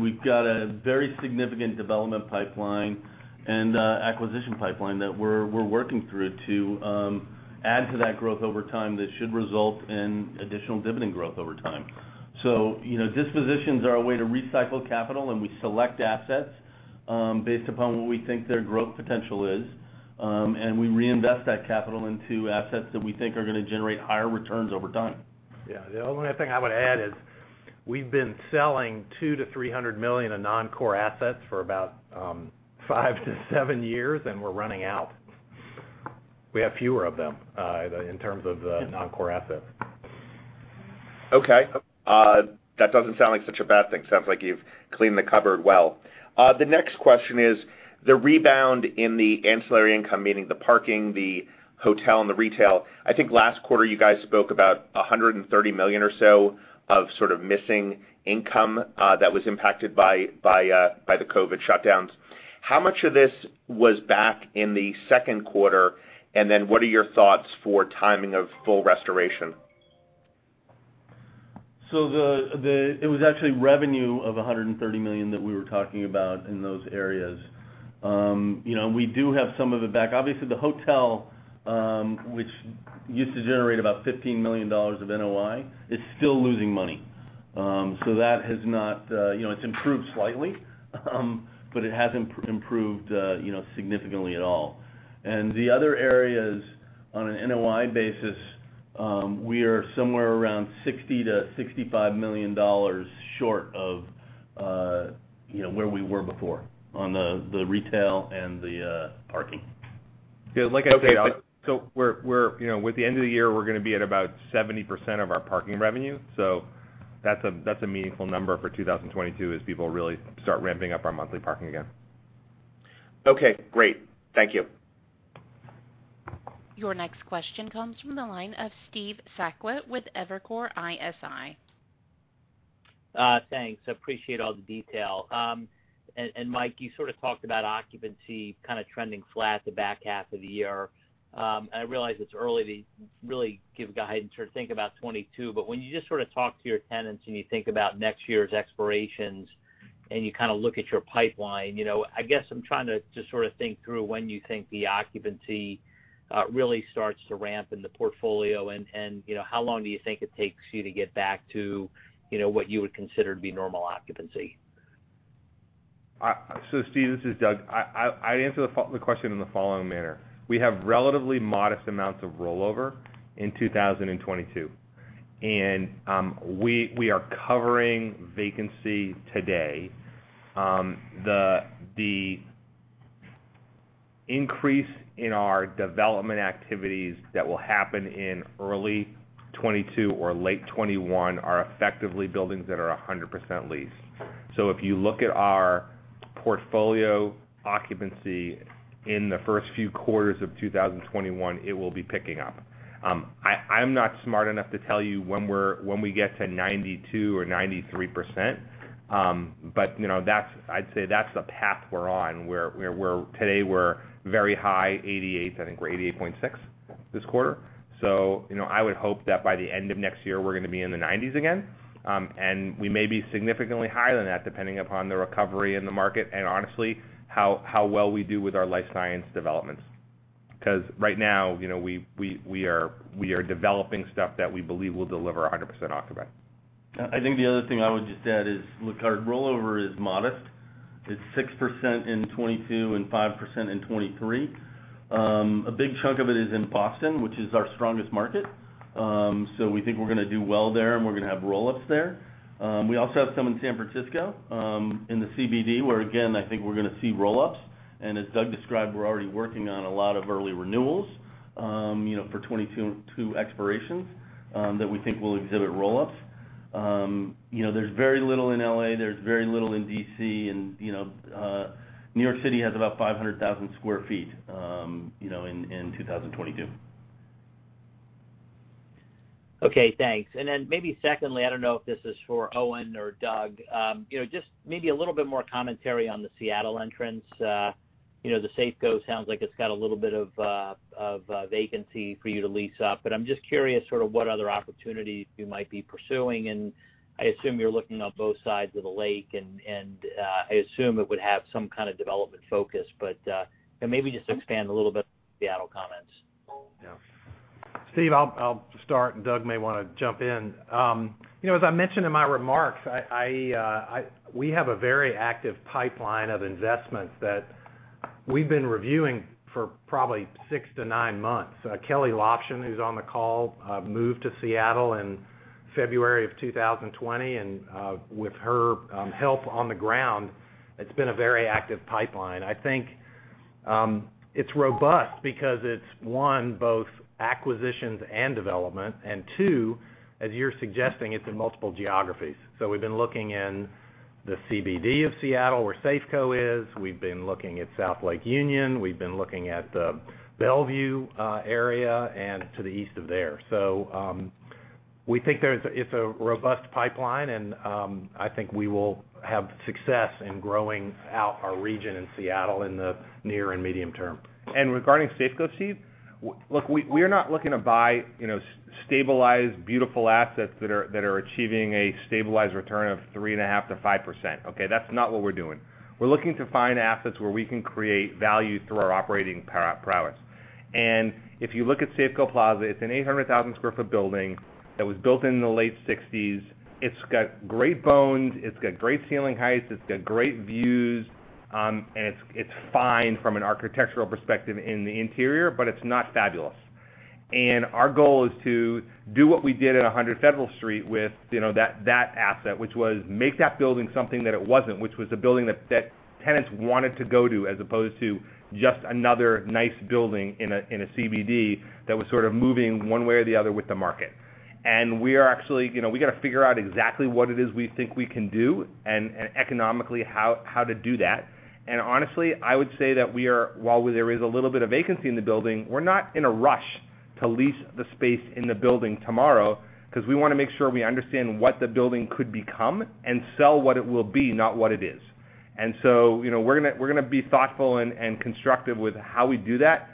Speaker 5: We've got a very significant development pipeline and acquisition pipeline that we're working through to add to that growth over time that should result in additional dividend growth over time. Dispositions are a way to recycle capital, and we select assets based upon what we think their growth potential is. We reinvest that capital into assets that we think are going to generate higher returns over time.
Speaker 4: Yeah. The only other thing I would add is, we've been selling $200 million-$300 million of non-core assets for about five to seven years, and we're running out.
Speaker 5: We have fewer of them, in terms of the non-core assets.
Speaker 6: Okay. That doesn't sound like such a bad thing. Sounds like you've cleaned the cupboard well. The next question is the rebound in the ancillary income, meaning the parking, the hotel, and the retail. I think last quarter you guys spoke about $130 million or so of sort of missing income that was impacted by the COVID shutdowns. How much of this was back in the second quarter, then what are your thoughts for timing of full restoration?
Speaker 5: It was actually revenue of $130 million that we were talking about in those areas. We do have some of it back. Obviously, the hotel, which used to generate about $15 million of NOI, is still losing money. It's improved slightly, but it hasn't improved significantly at all. The other areas, on an NOI basis, we are somewhere around $60 million-$65 million short of where we were before on the retail and the parking.
Speaker 4: Yeah, like I said.
Speaker 6: Okay.
Speaker 4: With the end of the year, we're going to be at about 70% of our parking revenue. That's a meaningful number for 2022 as people really start ramping up our monthly parking again.
Speaker 6: Okay, great. Thank you.
Speaker 1: Your next question comes from the line of Steve Sakwa with Evercore ISI.
Speaker 7: Thanks. I appreciate all the detail. Mike, you sort of talked about occupancy kind of trending flat the back half of the year. I realize it's early to really give guidance or think about 2022, but when you just sort of talk to your tenants and you think about next year's expirations, and you kind of look at your pipeline, I guess I'm trying to just sort of think through when you think the occupancy really starts to ramp in the portfolio, and how long do you think it takes you to get back to what you would consider to be normal occupancy?
Speaker 4: Steve, this is Doug. I'd answer the question in the following manner. We have relatively modest amounts of rollover in 2022, and we are covering vacancy today. The increase in our development activities that will happen in early 2022 or late 2021 are effectively buildings that are 100% leased. If you look at our portfolio occupancy in the first few quarters of 2021, it will be picking up. I'm not smart enough to tell you when we get to 92% or 93%, but I'd say that's the path we're on, where today we're very high 88%. I think we're 88.6% this quarter. I would hope that by the end of next year, we're going to be in the 90s again. We may be significantly higher than that, depending upon the recovery in the market, and honestly, how well we do with our life science developments. Right now, we are developing stuff that we believe will deliver 100% occupancy.
Speaker 5: I think the other thing I would just add is, look, our rollover is modest. It's 6% in 2022 and 5% in 2023. A big chunk of it is in Boston, which is our strongest market. We think we're going to do well there, and we're going to have roll-ups there. We also have some in San Francisco, in the CBD, where again, I think we're going to see roll-ups. As Doug described, we're already working on a lot of early renewals, for 2022 expirations that we think will exhibit roll-ups. There's very little in LA, there's very little in DC, and New York City has about 500,000 sq ft in 2022.
Speaker 7: Okay, thanks. Maybe secondly, I don't know if this is for Owen or Doug. Just maybe a little bit more commentary on the Seattle entrance. The Safeco sounds like it's got a little bit of vacancy for you to lease up, but I'm just curious sort of what other opportunities you might be pursuing, and I assume you're looking on both sides of the lake, and I assume it would have some kind of development focus. Maybe just expand a little bit on the Seattle comments.
Speaker 4: Yeah.
Speaker 3: Steve, I'll start, and Doug may want to jump in. As I mentioned in my remarks, we have a very active pipeline of investments that we've been reviewing for probably six to nine months. Kelly Loschen, who's on the call, moved to Seattle in February of 2020, and with her help on the ground, it's been a very active pipeline. I think it's robust because it's, one, both acquisitions and development. Two, as you're suggesting, it's in multiple geographies. We've been looking in the CBD of Seattle, where Safeco is. We've been looking at South Lake Union, we've been looking at the Bellevue area and to the east of there. We think it's a robust pipeline and, I think we will have success in growing out our region in Seattle in the near and medium term.
Speaker 4: Regarding Safeco, Steve, look, we're not looking to buy stabilized, beautiful assets that are achieving a stabilized return of 3.5%-5%. That's not what we're doing. We're looking to find assets where we can create value through our operating prowess. If you look at Safeco Plaza, it's an 800,000 sq ft building that was built in the late '60s. It's got great bones, it's got great ceiling heights, it's got great views, and it's fine from an architectural perspective in the interior, but it's not fabulous. Our goal is to do what we did at 100 Federal Street with that asset, which was make that building something that it wasn't, which was a building that tenants wanted to go to, as opposed to just another nice building in a CBD that was sort of moving one way or the other with the market. We've got to figure out exactly what it is we think we can do, and economically, how to do that. Honestly, I would say that while there is a little bit of vacancy in the building, we're not in a rush to lease the space in the building tomorrow because we want to make sure we understand what the building could become and sell what it will be, not what it is. So, we're going to be thoughtful and constructive with how we do that.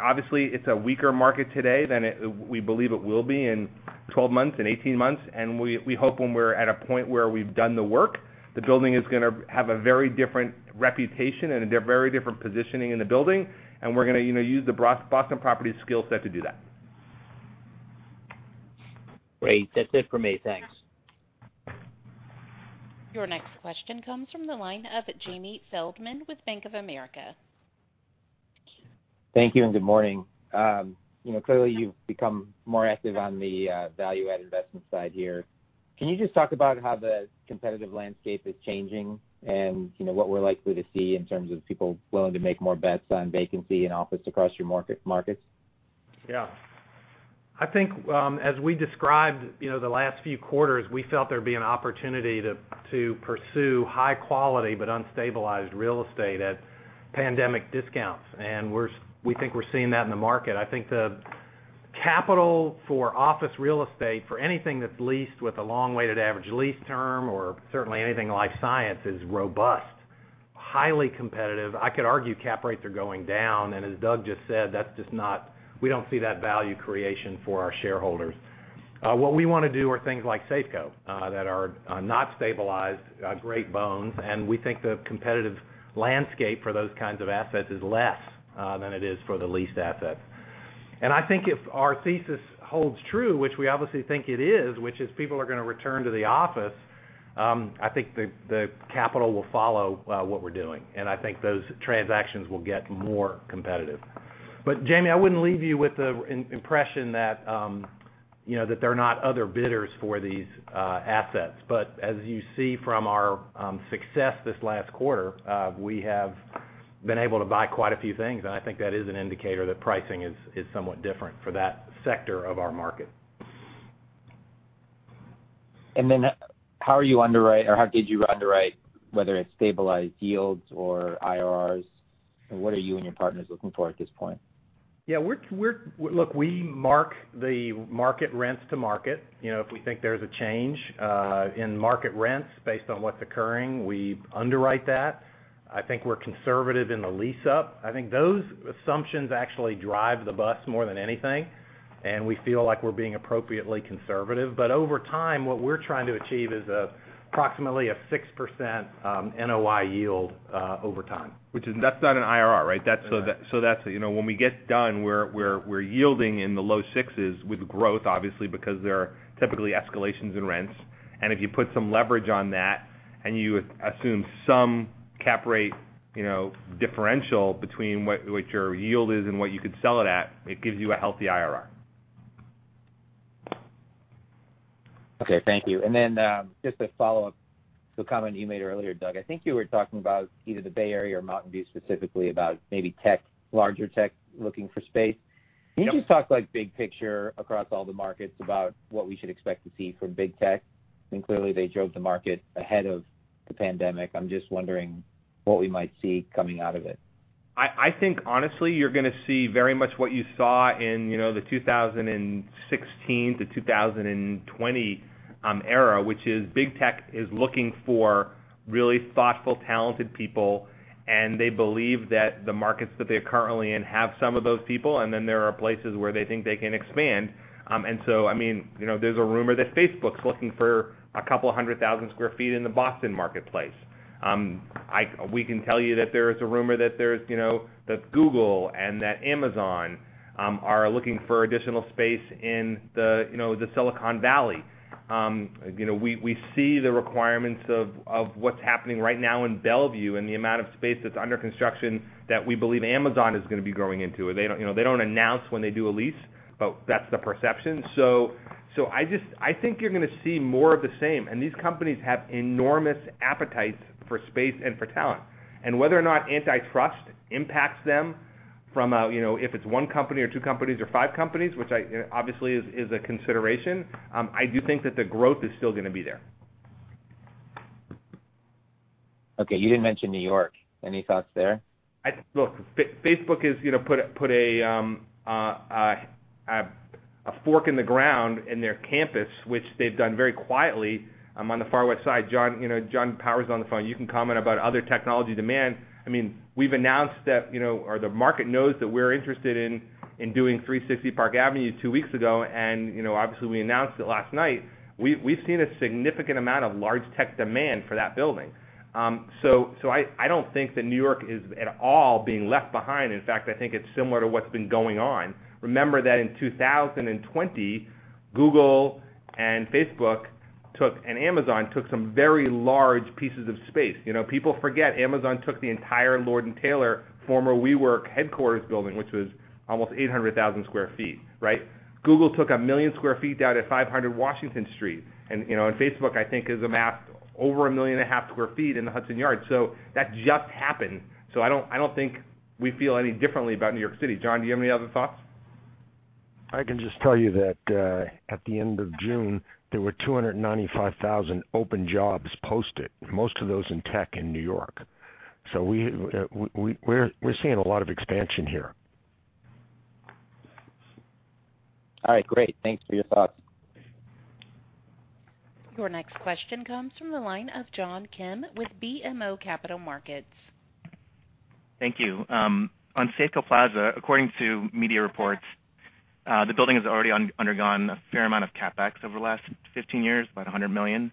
Speaker 4: Obviously, it's a weaker market today than we believe it will be in 12 months, in 18 months. We hope when we're at a point where we've done the work, the building is going to have a very different reputation and a very different positioning in the building, and we're going to use the Boston Properties skill set to do that.
Speaker 7: Great. That's it for me. Thanks.
Speaker 1: Your next question comes from the line of Jamie Feldman with Bank of America.
Speaker 8: Thank you and good morning. Clearly you've become more active on the value add investment side here. Can you just talk about how the competitive landscape is changing and what we're likely to see in terms of people willing to make more bets on vacancy and office across your markets?
Speaker 3: Yeah. I think, as we described the last few quarters, we felt there'd be an opportunity to pursue high-quality, but unstabilized real estate at pandemic discounts. We think we're seeing that in the market. I think the capital for office real estate, for anything that's leased with a long-weighted average lease term, or certainly anything life science, is robust, highly competitive. I could argue cap rates are going down, and as Doug just said, we don't see that value creation for our shareholders. What we want to do are things like Safeco, that are not stabilized, great bones, and we think the competitive landscape for those kinds of assets is less than it is for the leased assets. I think if our thesis holds true, which we obviously think it is, which is people are going to return to the office, I think the capital will follow what we're doing, and I think those transactions will get more competitive. Jamie, I wouldn't leave you with the impression that there are not other bidders for these assets. As you see from our success this last quarter, we have been able to buy quite a few things, and I think that is an indicator that pricing is somewhat different for that sector of our market.
Speaker 8: How did you underwrite, whether it's stabilized yields or IRRs? What are you and your partners looking for at this point?
Speaker 3: Yeah. Look, we mark the market rents to market. If we think there's a change, in market rents based on what's occurring, we underwrite that. I think we're conservative in the lease-up. I think those assumptions actually drive the bus more than anything, and we feel like we're being appropriately conservative. Over time, what we're trying to achieve is approximately a 6% NOI yield over time.
Speaker 4: Which that's not an IRR, right?
Speaker 3: No.
Speaker 4: When we get done, we're yielding in the low sixes with growth, obviously, because there are typically escalations in rents. If you put some leverage on that and you assume some cap rate differential between what your yield is and what you could sell it at, it gives you a healthy IRR.
Speaker 8: Okay, thank you. Just a follow-up to a comment you made earlier, Doug. I think you were talking about either the Bay Area or Mountain View specifically about maybe larger tech looking for space.
Speaker 4: Yep.
Speaker 8: Can you just talk, like, big picture across all the markets about what we should expect to see from big tech? I think clearly they drove the market ahead of the pandemic. I'm just wondering what we might see coming out of it.
Speaker 4: I think honestly, you're going to see very much what you saw in the 2016 to 2020 era, which is big tech is looking for really thoughtful, talented people, and they believe that the markets that they're currently in have some of those people. There are places where they think they can expand. There's a rumor that Facebook's looking for 200,000 sq ft in the Boston marketplace. We can tell you that there's a rumor that Google and that Amazon are looking for additional space in the Silicon Valley. We see the requirements of what's happening right now in Bellevue and the amount of space that's under construction that we believe Amazon is going to be growing into. They don't announce when they do a lease, but that's the perception. I think you're going to see more of the same. These companies have enormous appetites for space and for talent. Whether or not antitrust impacts them from if it's one company or two companies or five companies, which obviously is a consideration, I do think that the growth is still going to be there.
Speaker 8: Okay. You didn't mention New York. Any thoughts there?
Speaker 4: Facebook has put a fork in the ground in their campus, which they've done very quietly on the far west side. John Powers on the phone, you can comment about other technology demand. We've announced that, or the market knows that we're interested in doing 360 Park Avenue two weeks ago, and obviously we announced it last night. We've seen a significant amount of large tech demand for that building. I don't think that New York is at all being left behind. In fact, I think it's similar to what's been going on. Remember that in 2020, Google and Facebook took, and Amazon took some very large pieces of space. People forget Amazon took the entire Lord & Taylor former WeWork headquarters building, which was almost 800,000 sq ft, right. Google took 1 million sq ft down at 500 Washington Street. Facebook, I think, has amassed over 1.5 million sq ft in the Hudson Yards. That just happened. I don't think we feel any differently about New York City. John, do you have any other thoughts?
Speaker 9: I can just tell you that, at the end of June, there were 295,000 open jobs posted, most of those in tech in New York. We're seeing a lot of expansion here.
Speaker 8: All right. Great. Thanks for your thoughts.
Speaker 1: Your next question comes from the line of John Kim with BMO Capital Markets.
Speaker 10: Thank you. On Safeco Plaza, according to media reports, the building has already undergone a fair amount of CapEx over the last 15 years, about $100 million.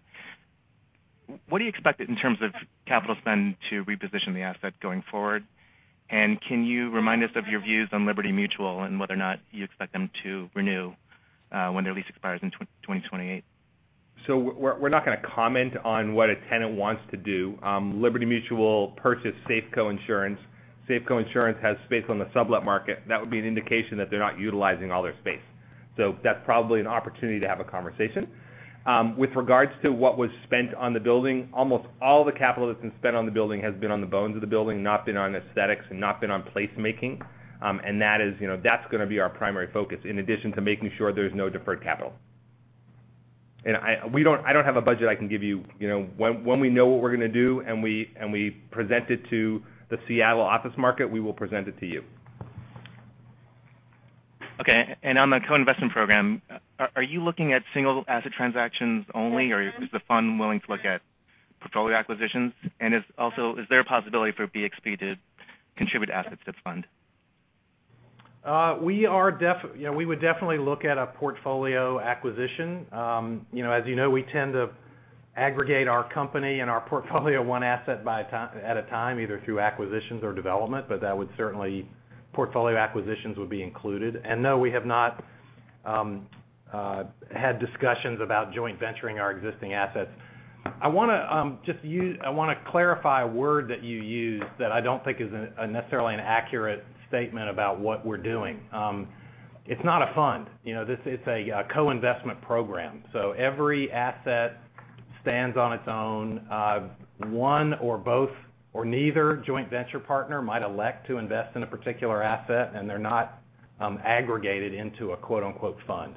Speaker 10: What do you expect in terms of capital spend to reposition the asset going forward? Can you remind us of your views on Liberty Mutual and whether or not you expect them to renew, when their lease expires in 2028?
Speaker 4: We're not going to comment on what a tenant wants to do. Liberty Mutual purchased Safeco Insurance. Safeco Insurance has space on the sublet market. That would be an indication that they're not utilizing all their space. That's probably an opportunity to have a conversation. With regards to what was spent on the building, almost all the capital that's been spent on the building has been on the bones of the building, not been on aesthetics and not been on place-making. That's going to be our primary focus, in addition to making sure there's no deferred capital. I don't have a budget I can give you. When we know what we're going to do and we present it to the Seattle office market, we will present it to you.
Speaker 10: Okay. On the co-investment program, are you looking at single-asset transactions only, or is the fund willing to look at portfolio acquisitions? Also, is there a possibility for BXP to contribute assets to the fund?
Speaker 4: We would definitely look at a portfolio acquisition. As you know, we tend to aggregate our company and our portfolio one asset at a time, either through acquisitions or development, but that would certainly, portfolio acquisitions would be included. No, we have not had discussions about joint venturing our existing assets. I want to clarify a word that you used that I don't think is necessarily an accurate statement about what we're doing. It's not a fund. It's a co-investment program. Every asset stands on its own. One or both or neither joint venture partner might elect to invest in a particular asset, and they're not aggregated into a "fund."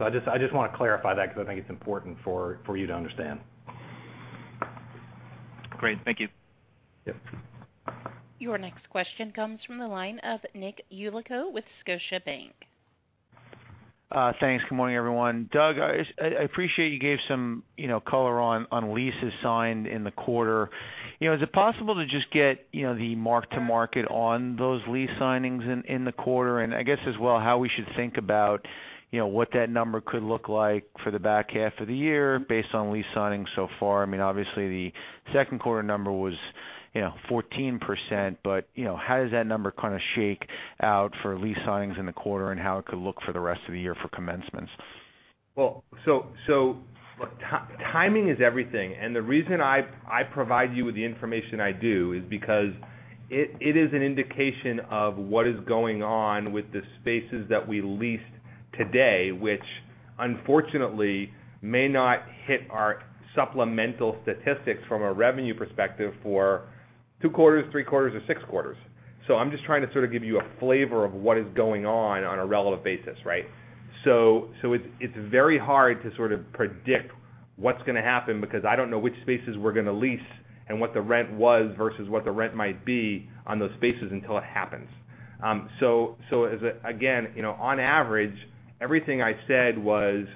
Speaker 4: I just want to clarify that because I think it's important for you to understand.
Speaker 10: Great. Thank you.
Speaker 4: Yep.
Speaker 1: Your next question comes from the line of Nick Yulico with Scotiabank.
Speaker 11: Thanks. Good morning, everyone. Doug, I appreciate you gave some color on leases signed in the quarter. Is it possible to just get the mark-to-market on those lease signings in the quarter? I guess as well, how we should think about what that number could look like for the back half of the year based on lease signings so far. Obviously, the second quarter number was 14%, how does that number kind of shake out for lease signings in the quarter, and how it could look for the rest of the year for commencements?
Speaker 4: Timing is everything. The reason I provide you with the information I do is because it is an indication of what is going on with the spaces that we leased today, which unfortunately may not hit our supplemental statistics from a revenue perspective for two quarters, three quarters, or six quarters. I'm just trying to give you a flavor of what is going on a relevant basis. It's very hard to predict what's going to happen because I don't know which spaces we're going to lease and what the rent was versus what the rent might be on those spaces until it happens. Again, on average, everything I said was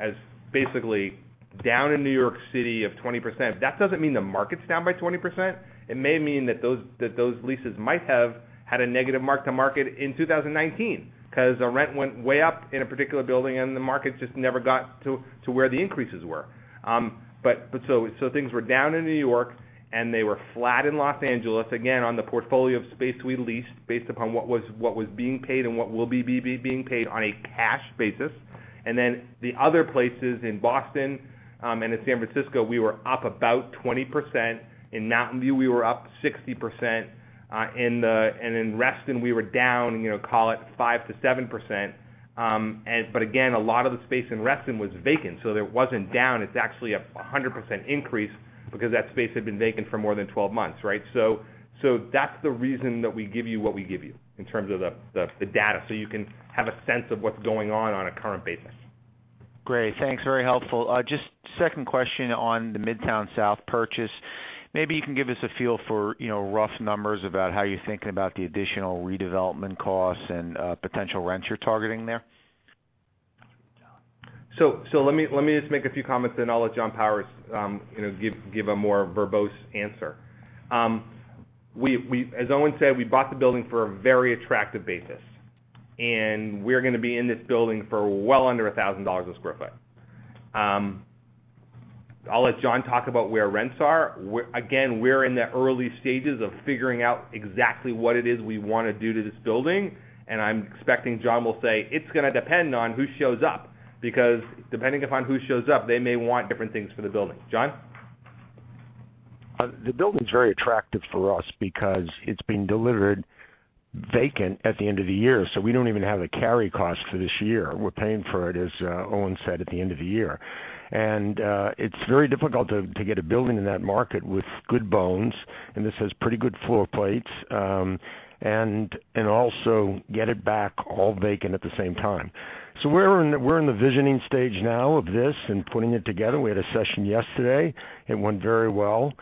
Speaker 4: as basically down in New York City of 20%, that doesn't mean the market's down by 20%. It may mean that those leases might have had a negative mark-to-market in 2019, because the rent went way up in a particular building and the market just never got to where the increases were. Things were down in New York, and they were flat in Los Angeles, again, on the portfolio of space we leased, based upon what was being paid and what will be being paid on a cash basis. The other places in Boston, and in San Francisco, we were up about 20%. In Mountain View, we were up 60%. In Reston, we were down, call it 5%-7%. Again, a lot of the space in Reston was vacant, so it wasn't down. It's actually a 100% increase because that space had been vacant for more than 12 months, right? That's the reason that we give you what we give you in terms of the data, so you can have a sense of what's going on on a current basis.
Speaker 11: Great. Thanks, very helpful. Second question on the Midtown South purchase. Maybe you can give us a feel for rough numbers about how you're thinking about the additional redevelopment costs and potential rents you're targeting there.
Speaker 4: Let me just make a few comments, then I'll let John Powers give a more verbose answer. As Owen said, we bought the building for a very attractive basis, and we're going to be in this building for well under $1,000 a sq ft. I'll let John talk about where rents are. We're in the early stages of figuring out exactly what it is we want to do to this building, and I'm expecting John will say, it's going to depend on who shows up, because depending upon who shows up, they may want different things for the building. John?
Speaker 9: The building's very attractive for us because it's being delivered vacant at the end of the year, so we don't even have a carry cost for this year. We're paying for it, as Owen said, at the end of the year. It's very difficult to get a building in that market with good bones, and this has pretty good floor plates, and also get it back all vacant at the same time. We're in the visioning stage now of this and putting it together. We had a session yesterday. It went very well.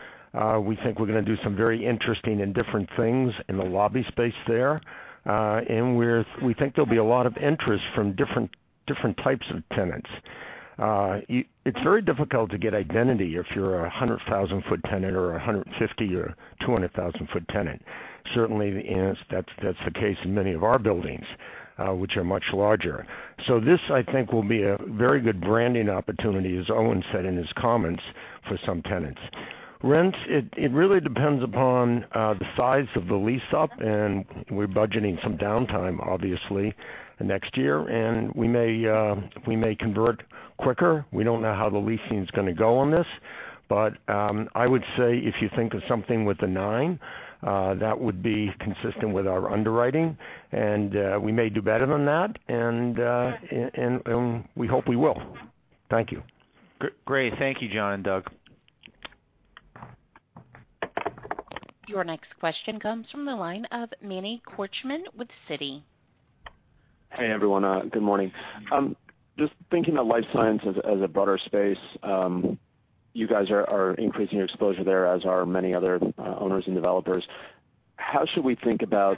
Speaker 9: We think we're going to do some very interesting and different things in the lobby space there. We think there'll be a lot of interest from different types of tenants. It's very difficult to get identity if you're a 100,000 ft tenant or 150,000 or 200,000 ft tenant. Certainly, that's the case in many of our buildings, which are much larger. This, I think, will be a very good branding opportunity, as Owen said in his comments, for some tenants. Rents, it really depends upon the size of the lease-up, and we're budgeting some downtime, obviously, next year, and we may convert quicker. We don't know how the leasing's going to go on this. I would say if you think of something with a nine, that would be consistent with our underwriting, and we may do better than that, and we hope we will. Thank you.
Speaker 11: Great. Thank you, John and Doug.
Speaker 1: Your next question comes from the line of Manny Korchman with Citi.
Speaker 12: Hey, everyone. Good morning. Just thinking of life science as a broader space, you guys are increasing your exposure there, as are many other owners and developers. How should we think about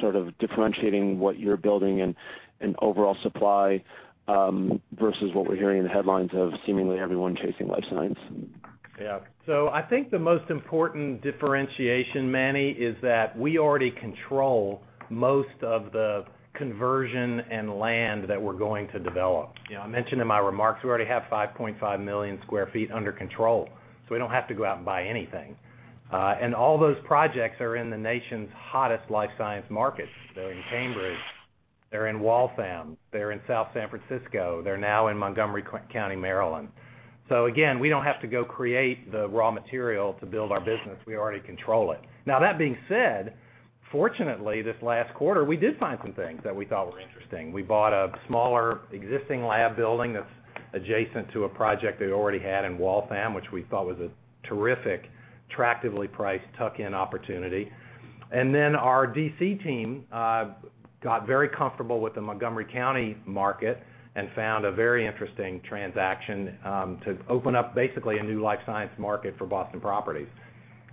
Speaker 12: sort of differentiating what you're building and overall supply, versus what we're hearing in the headlines of seemingly everyone chasing life science?
Speaker 3: Yeah. I think the most important differentiation, Manny, is that we already control most of the conversion and land that we're going to develop. I mentioned in my remarks, we already have 5.5 million sq ft under control. We don't have to go out and buy anything. All those projects are in the nation's hottest life science markets. They're in Cambridge, they're in Waltham, they're in South San Francisco. They're now in Montgomery County, Maryland. Again, we don't have to go create the raw material to build our business. We already control it. That being said, fortunately, this last quarter, we did find some things that we thought were interesting. We bought a smaller existing lab building that's adjacent to a project we already had in Waltham, which we thought was a terrific attractively priced tuck-in opportunity. Our DC team got very comfortable with the Montgomery County market and found a very interesting transaction to open up basically a new life science market for Boston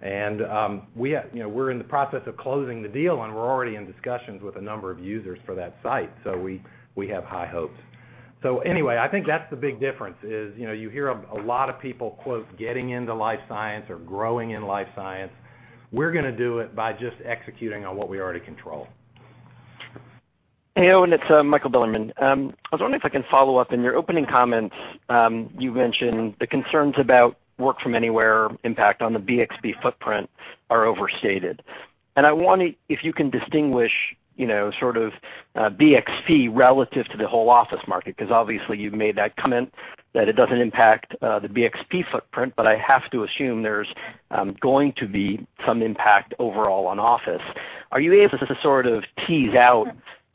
Speaker 3: Properties. We're in the process of closing the deal, and we're already in discussions with a number of users for that site. We have high hopes. Anyway, I think that's the big difference is, you hear a lot of people quote, getting into life science or growing in life science. We're going to do it by just executing on what we already control.
Speaker 13: Hey, Owen, it's Michael Bilerman. I was wondering if I can follow up. In your opening comments, you mentioned the concerns about work-from-anywhere impact on the BXP footprint are overstated. I wonder if you can distinguish sort of BXP relative to the whole office market, because obviously you've made that comment that it doesn't impact the BXP footprint, but I have to assume there's going to be some impact overall on office. Are you able to sort of tease out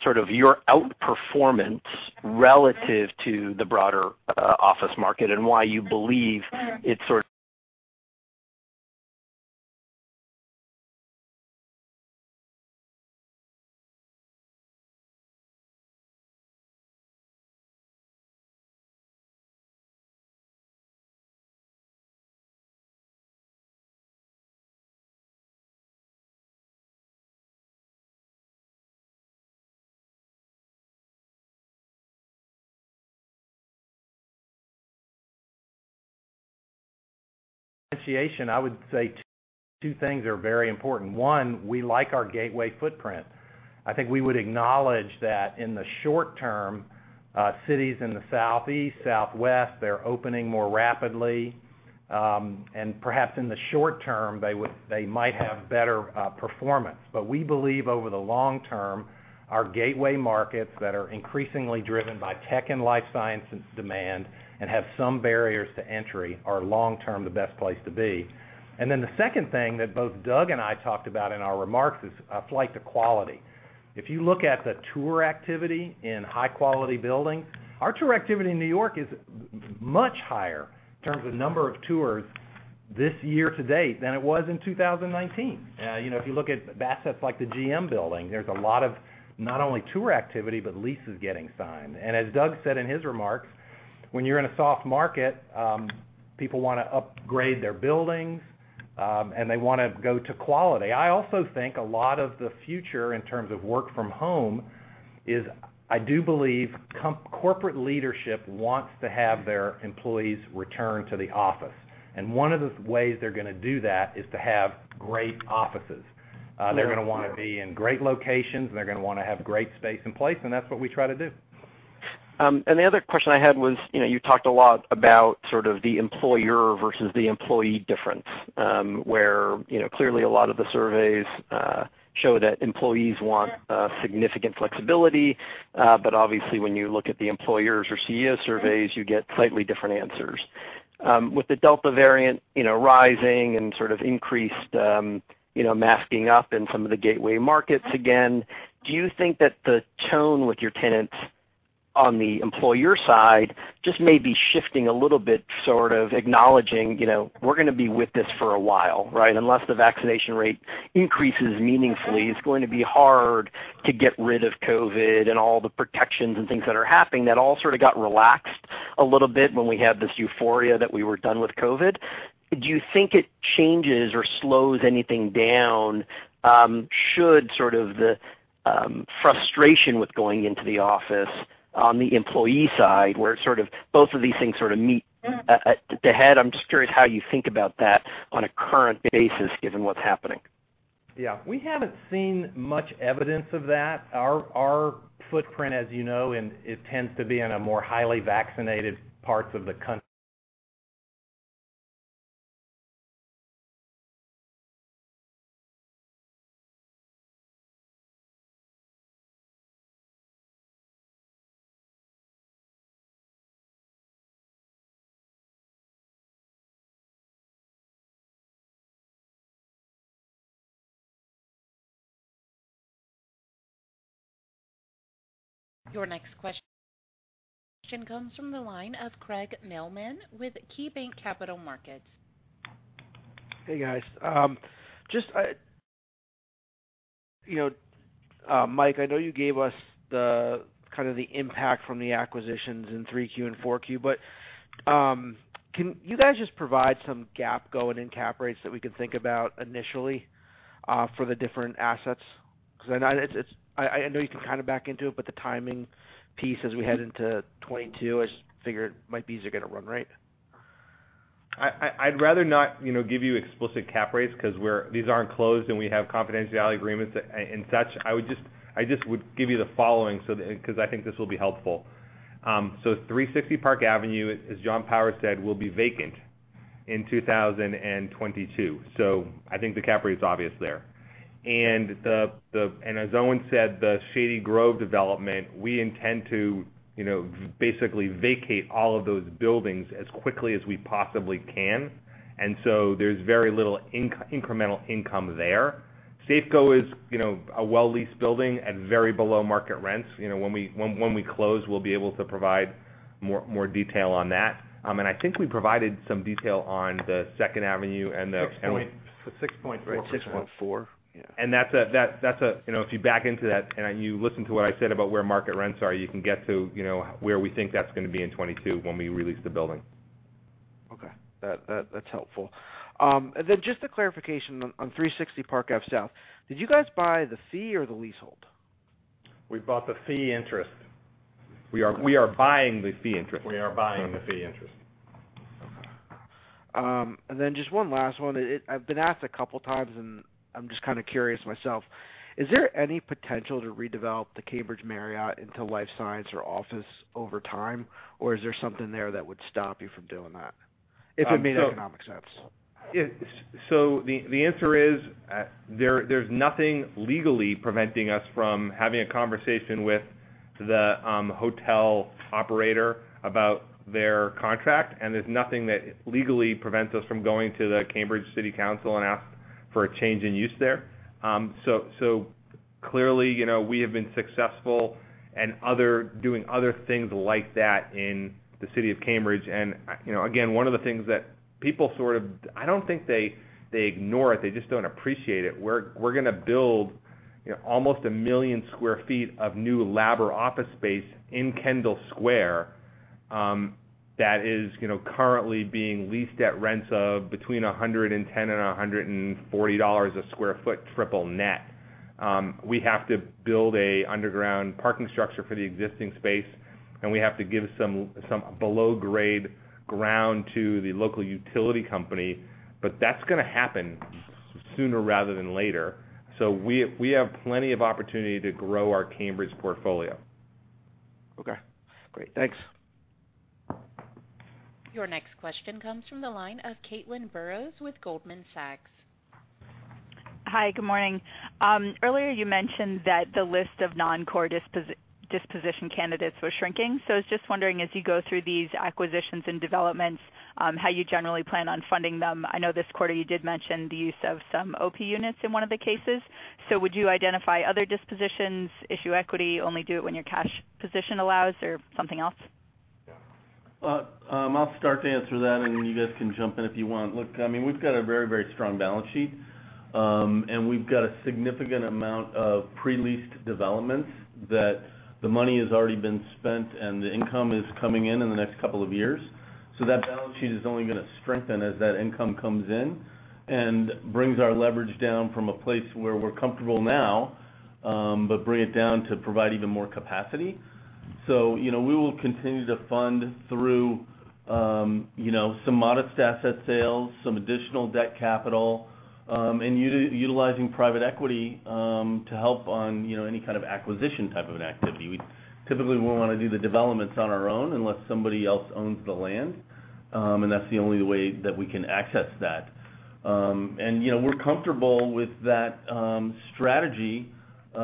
Speaker 13: sort of your outperformance relative to the broader office market and why you believe it?
Speaker 3: I would say two things are very important. One, we like our gateway footprint. I think we would acknowledge that in the short term, cities in the southeast, southwest, they're opening more rapidly. Perhaps in the short term, they might have better performance. We believe over the long term, our gateway markets that are increasingly driven by tech and life sciences demand, and have some barriers to entry, are long-term the best place to be. The second thing that both Doug and I talked about in our remarks is a flight to quality. If you look at the tour activity in high-quality buildings, our tour activity in New York is much higher in terms of number of tours this year-to-date than it was in 2019. If you look at assets like the GM Building, there's a lot of not only tour activity, but leases getting signed. As Doug said in his remarks, when you're in a soft market, people want to upgrade their buildings, and they want to go to quality. I also think a lot of the future, in terms of work from home, is I do believe corporate leadership wants to have their employees return to the office. One of the ways they're going to do that is to have great offices. They're going to want to be in great locations, and they're going to want to have great space in place, and that's what we try to do.
Speaker 13: The other question I had was, you talked a lot about sort of the employer versus the employee difference, where clearly a lot of the surveys show that employees want significant flexibility. Obviously, when you look at the employers or CEO surveys, you get slightly different answers. With the Delta variant rising and sort of increased masking up in some of the gateway markets again, do you think that the tone with your tenants on the employer side just may be shifting a little bit, sort of acknowledging, we're going to be with this for a while, right? Unless the vaccination rate increases meaningfully, it's going to be hard to get rid of COVID and all the protections and things that are happening that all sort of got relaxed a little bit when we had this euphoria that we were done with COVID. Do you think it changes or slows anything down, should sort of the frustration with going into the office on the employee side, where both of these things sort of meet head? I'm just curious how you think about that on a current basis, given what's happening.
Speaker 3: Yeah. We haven't seen much evidence of that. Our footprint, as you know, it tends to be in a more highly vaccinated parts of the country.
Speaker 1: Your next question comes from the line of Craig Mailman with KeyBanc Capital Markets.
Speaker 14: Hey, guys. Mike, I know you gave us kind of the impact from the acquisitions in 3Q and 4Q, but can you guys just provide some GAAP going and cap rates that we can think about initially for the different assets? I know you can kind of back into it, but the timing piece as we head into 2022, I just figured might be easier going to run, right?
Speaker 4: I'd rather not give you explicit cap rates, because these aren't closed, and we have confidentiality agreements and such. I just would give you the following, because I think this will be helpful. 360 Park Avenue, as John Powers said, will be vacant in 2022. I think the cap rate is obvious there. As Owen said, the Shady Grove development, we intend to basically vacate all of those buildings as quickly as we possibly can. There's very little incremental income there. Safeco is a well-leased building at very below market rents. When we close, we'll be able to provide more detail on that. I think we provided some detail on the Second Avenue and the-
Speaker 3: 6.4%.
Speaker 4: 6.4%.
Speaker 3: Yeah.
Speaker 4: If you back into that and you listen to what I said about where market rents are, you can get to where we think that's going to be in 2022 when we release the building.
Speaker 14: Okay. That's helpful. Just a clarification on 360 Park Ave South. Did you guys buy the fee or the leasehold?
Speaker 3: We bought the fee interest.
Speaker 4: We are buying the fee interest. We are buying the fee interest.
Speaker 14: Okay. Just one last one. I've been asked a couple of times, and I'm just kind of curious myself. Is there any potential to redevelop the Cambridge Marriott into life science or office over time? Is there something there that would stop you from doing that if it made economic sense?
Speaker 4: The answer is, there's nothing legally preventing us from having a conversation with the hotel operator about their contract, and there's nothing that legally prevents us from going to the Cambridge City Council and asking for a change in use there. Clearly, we have been successful in doing other things like that in the city of Cambridge. Again, one of the things that people sort of, I don't think they ignore it, they just don't appreciate it. We're going to build almost 1 million sq ft of new lab or office space in Kendall Square. that is currently being leased at rents of between $110 and $140 a sq ft triple net. We have to build an underground parking structure for the existing space, and we have to give some below-grade ground to the local utility company. That's going to happen sooner rather than later. We have plenty of opportunity to grow our Cambridge portfolio.
Speaker 14: Okay, great. Thanks.
Speaker 1: Your next question comes from the line of Caitlin Burrows with Goldman Sachs.
Speaker 15: Hi, good morning. Earlier you mentioned that the list of non-core disposition candidates was shrinking. I was just wondering, as you go through these acquisitions and developments, how you generally plan on funding them. I know this quarter you did mention the use of some OP units in one of the cases. Would you identify other dispositions, issue equity, only do it when your cash position allows, or something else?
Speaker 5: I'll start to answer that, then you guys can jump in if you want. Look, we've got a very strong balance sheet. We've got a significant amount of pre-leased developments that the money has already been spent, and the income is coming in the next couple of years. That balance sheet is only going to strengthen as that income comes in and brings our leverage down from a place where we're comfortable now, but bring it down to provide even more capacity. We will continue to fund through some modest asset sales, some additional debt capital, and utilizing private equity to help on any kind of acquisition type of an activity. We typically will want to do the developments on our own unless somebody else owns the land, and that's the only way that we can access that. We're comfortable with that strategy in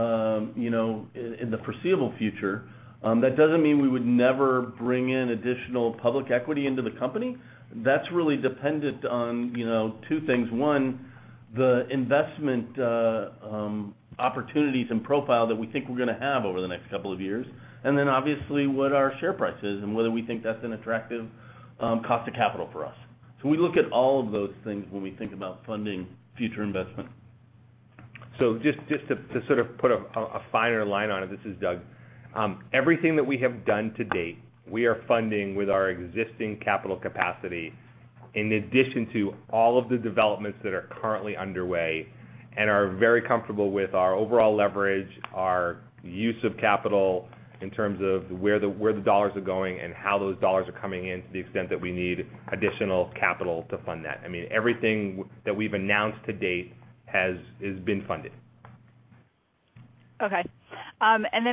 Speaker 5: the foreseeable future. That doesn't mean we would never bring in additional public equity into the company. That's really dependent on two things. One, the investment opportunities and profile that we think we're going to have over the next couple of years, obviously, what our share price is and whether we think that's an attractive cost of capital for us. We look at all of those things when we think about funding future investment.
Speaker 4: Just to sort of put a finer line on it, this is Doug. Everything that we have done to-date, we are funding with our existing capital capacity, in addition to all of the developments that are currently underway, and are very comfortable with our overall leverage, our use of capital in terms of where the dollars are going and how those dollars are coming in to the extent that we need additional capital to fund that. Everything that we've announced to-date has been funded.
Speaker 15: Okay.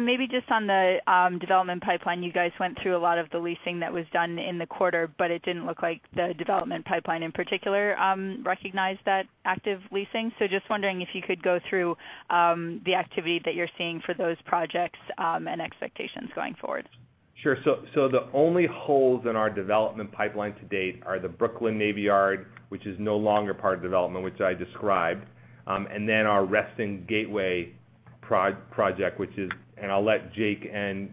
Speaker 15: Maybe just on the development pipeline, you guys went through a lot of the leasing that was done in the quarter, but it didn't look like the development pipeline in particular recognized that active leasing. Just wondering if you could go through the activity that you're seeing for those projects and expectations going forward.
Speaker 4: Sure. The only holes in our development pipeline to-date are the Brooklyn Navy Yard, which is no longer part of development, which I described, and then our Reston Gateway project. I'll let Jake and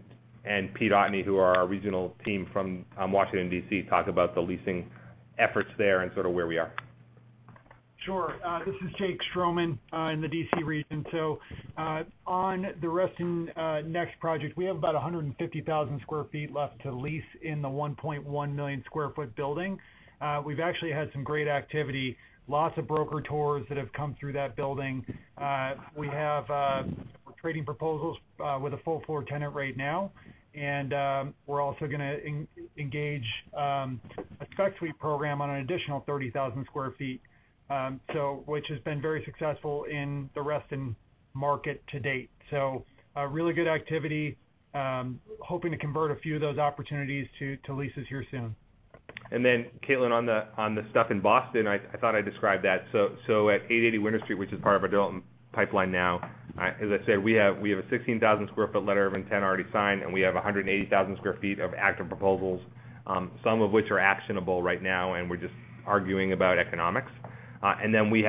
Speaker 4: Pete Otteni, who are our regional team from Washington, DC, talk about the leasing efforts there and sort of where we are.
Speaker 16: Sure. This is Jake Stroman in the DC region. On the Reston next project, we have about 150,000 sq ft left to lease in the 1.1 million sq ft building. We've actually had some great activity, lots of broker tours that have come through that building. We're trading proposals with a full floor tenant right now, we're also going to engage a spec suite program on an additional 30,000 sq ft, which has been very successful in the Reston market to-date. Really good activity, hoping to convert a few of those opportunities to leases here soon.
Speaker 4: Caitlin, on the stuff in Boston, I thought I described that. At 880 Winter Street, which is part of our development pipeline now, as I said, we have a 16,000 sq ft letter of intent already signed, and we have 180,000 sq ft of active proposals, some of which are actionable right now, and we're just arguing about economics. We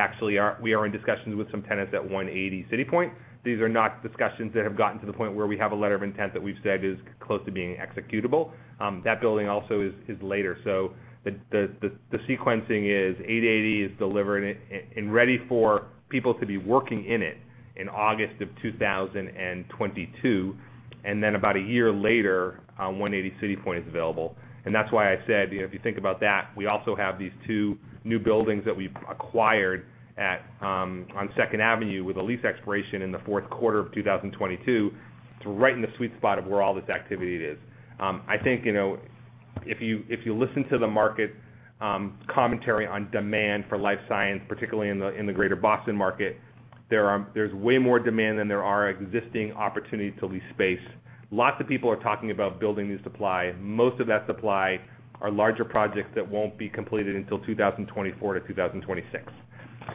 Speaker 4: are in discussions with some tenants at 180 CityPoint. These are not discussions that have gotten to the point where we have a letter of intent that we've said is close to being executable. That building also is later. The sequencing is 880 CityPoint is delivered and ready for people to be working in it in August of 2022, and then about a year later, 180 CityPoint is available. That's why I said, if you think about that, we also have these two new buildings that we've acquired on 2nd Avenue with a lease expiration in the fourth quarter of 2022. It's right in the sweet spot of where all this activity is. I think, if you listen to the market commentary on demand for life science, particularly in the greater Boston market, there's way more demand than there are existing opportunities to lease space. Lots of people are talking about building new supply. Most of that supply are larger projects that won't be completed until 2024-2026.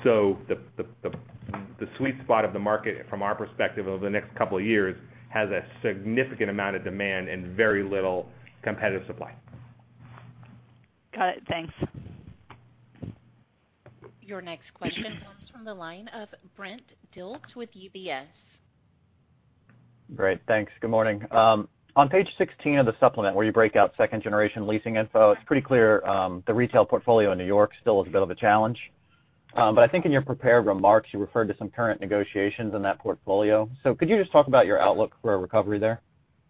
Speaker 4: The sweet spot of the market, from our perspective, over the next couple of years, has a significant amount of demand and very little competitive supply.
Speaker 15: Got it. Thanks.
Speaker 1: Your next question comes from the line of Brent Dilts with UBS.
Speaker 17: Great. Thanks. Good morning. On page 16 of the supplement, where you break out second-generation leasing info, it's pretty clear the retail portfolio in New York still is a bit of a challenge. I think in your prepared remarks, you referred to some current negotiations in that portfolio. Could you just talk about your outlook for a recovery there?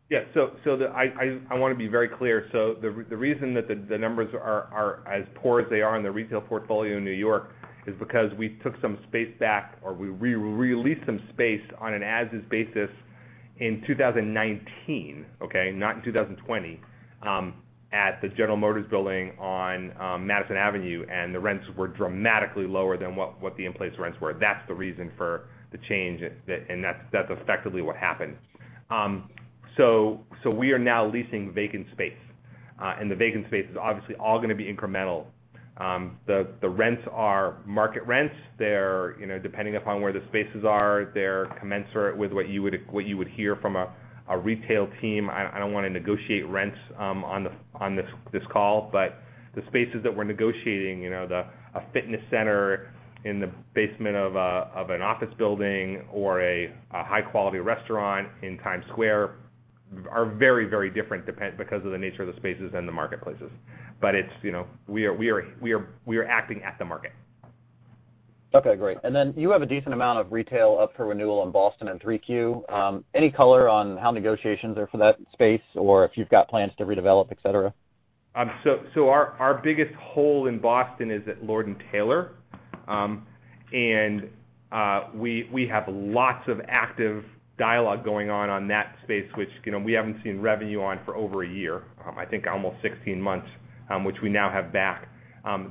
Speaker 4: Yes. I want to be very clear. The reason that the numbers are as poor as they are in the retail portfolio in New York is because we took some space back, or we re-leased some space on an as-is basis in 2019, okay, not in 2020, at the General Motors Building on Madison Avenue, and the rents were dramatically lower than what the in-place rents were. That's the reason for the change, and that's effectively what happened. We are now leasing vacant space. The vacant space is obviously all going to be incremental. The rents are market rents. Depending upon where the spaces are, they're commensurate with what you would hear from a retail team. I don't want to negotiate rents on this call, the spaces that we're negotiating, a fitness center in the basement of an office building or a high-quality restaurant in Times Square are very different, because of the nature of the spaces and the marketplaces. We are acting at the market.
Speaker 17: Okay, great. You have a decent amount of retail up for renewal in Boston in 3Q. Any color on how negotiations are for that space or if you've got plans to redevelop, et cetera?
Speaker 4: Our biggest hole in Boston is at Lord & Taylor. We have lots of active dialogue going on that space, which we haven't seen revenue on for over a year, I think almost 16 months, which we now have back.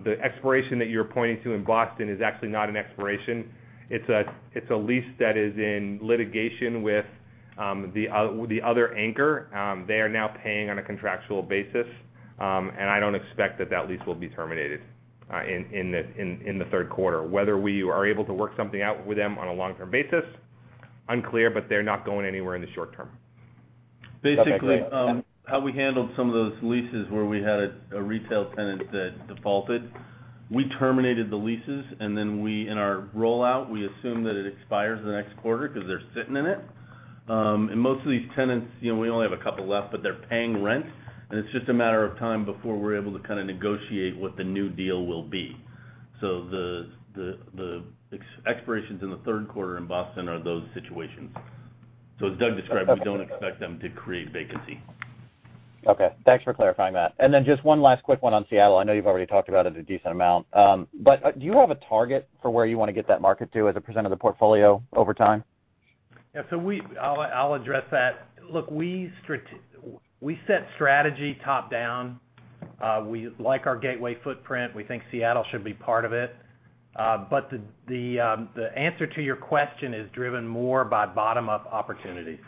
Speaker 4: The expiration that you're pointing to in Boston is actually not an expiration. It's a lease that is in litigation with the other anchor. They are now paying on a contractual basis. I don't expect that lease will be terminated in the third quarter. Whether we are able to work something out with them on a long-term basis, unclear, but they're not going anywhere in the short term.
Speaker 17: Okay, great.
Speaker 5: Basically, how we handled some of those leases where we had a retail tenant that defaulted, we terminated the leases, and then we, in our rollout, we assume that it expires the next quarter because they're sitting in it. Most of these tenants, we only have a couple left, but they're paying rent, and it's just a matter of time before we're able to negotiate what the new deal will be. The expirations in the third quarter in Boston are those situations. As Doug described.
Speaker 17: Okay.
Speaker 5: We don't expect them to create vacancy.
Speaker 17: Okay. Thanks for clarifying that. Just one last quick one on Seattle. I know you've already talked about it a decent amount. Do you have a target for where you want to get that market to as a percent of the portfolio over time?
Speaker 3: Yeah. I'll address that. Look, we set strategy top-down. We like our gateway footprint. We think Seattle should be part of it. The answer to your question is driven more by bottom-up opportunities.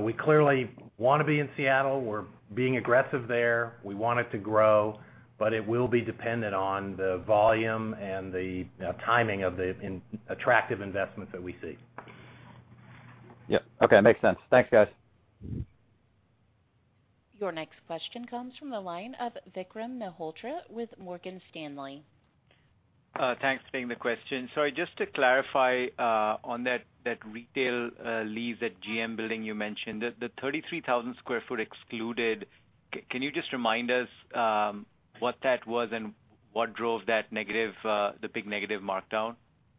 Speaker 3: We clearly want to be in Seattle. We're being aggressive there. We want it to grow, but it will be dependent on the volume and the timing of the attractive investments that we see.
Speaker 17: Yep. Okay, makes sense. Thanks, guys.
Speaker 1: Your next question comes from the line of Vikram Malhotra with Morgan Stanley.
Speaker 18: Thanks for taking the question. Sorry, just to clarify on that retail lease at GM Building you mentioned, the 33,000 sq ft excluded, can you just remind us what that was and what drove that big negative markdown?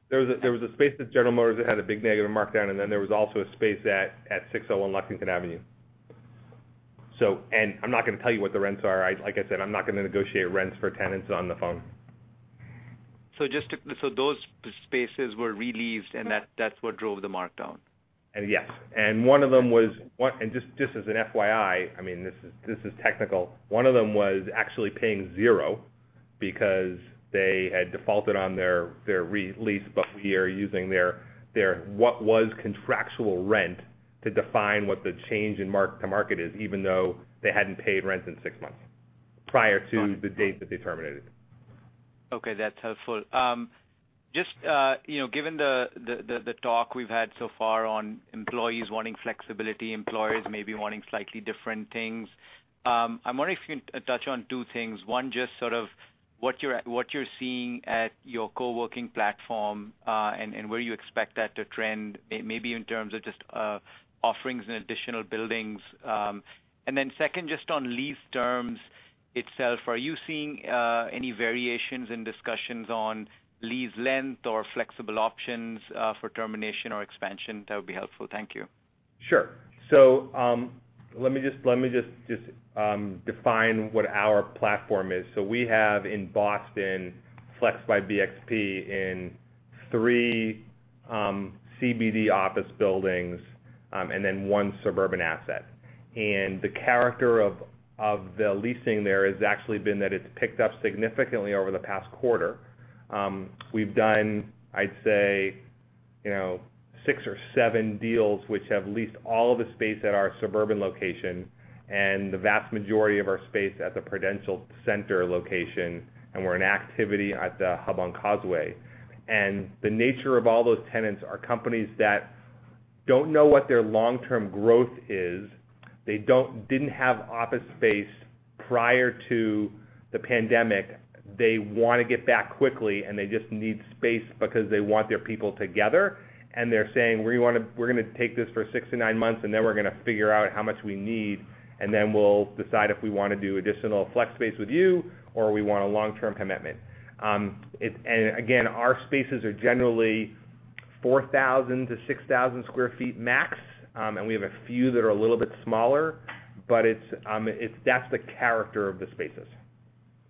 Speaker 4: There was a space at General Motors that had a big negative markdown, and then there was also a space at 601 Lexington Avenue. I'm not going to tell you what the rents are. Like I said, I'm not going to negotiate rents for tenants on the phone.
Speaker 18: Those spaces were re-leased and that's what drove the markdown?
Speaker 4: Yes. One of them was, just as an FYI, this is technical, one of them was actually paying zero because they had defaulted on their re-lease. We are using their, what was contractual rent to define what the change in mark to market is, even though they hadn't paid rent in six months, prior to the date that they terminated.
Speaker 18: Okay, that's helpful. Just given the talk we've had so far on employees wanting flexibility, employers maybe wanting slightly different things, I'm wondering if you can touch on two things. One, just sort of what you're seeing at your co-working platform, and where you expect that to trend, maybe in terms of just offerings in additional buildings. Second, just on lease terms itself, are you seeing any variations in discussions on lease length or flexible options for termination or expansion? That would be helpful. Thank you.
Speaker 4: Sure. Let me just define what our platform is. We have in Boston, FLEX by BXP in three CBD office buildings, and then one suburban asset. The character of the leasing there has actually been that it's picked up significantly over the past quarter. We've done, I'd say, six or seven deals which have leased all of the space at our suburban location and the vast majority of our space at the Prudential Center location, and we're in activity at The Hub on Causeway. The nature of all those tenants are companies that don't know what their long-term growth is. They didn't have office space prior to the pandemic. They want to get back quickly. They just need space because they want their people together. They're saying, "We're going to take this for six to nine months. Then we're going to figure out how much we need. Then we'll decide if we want to do additional flex space with you or we want a long-term commitment." Again, our spaces are generally 4,000 sq ft-6,000 sq ft max. We have a few that are a little bit smaller. That's the character of the spaces.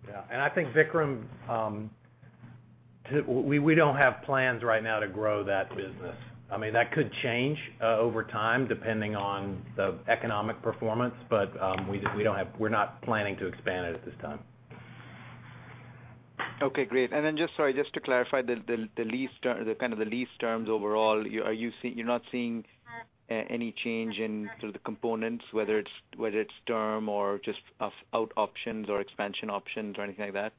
Speaker 3: Yeah. I think, Vikram, we don't have plans right now to grow that business. That could change over time, depending on the economic performance. We're not planning to expand it at this time.
Speaker 18: Okay, great. Then just sorry, just to clarify the lease terms overall, you're not seeing any change in sort of the components, whether it's term or just out options or expansion options or anything like that?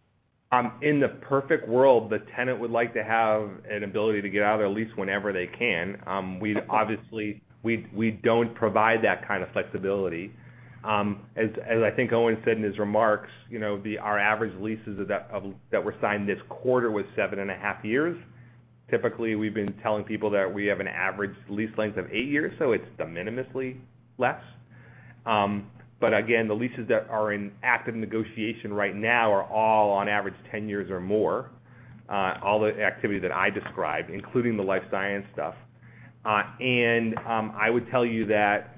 Speaker 4: In the perfect world, the tenant would like to have an ability to get out of their lease whenever they can. We don't provide that kind of flexibility. As I think Owen said in his remarks, our average leases that were signed this quarter was seven and a half years. Typically, we've been telling people that we have an average lease length of eight years, so it's de minimis less. Again, the leases that are in active negotiation right now are all, on average, 10 years or more. All the activity that I described, including the life science stuff. I would tell you that,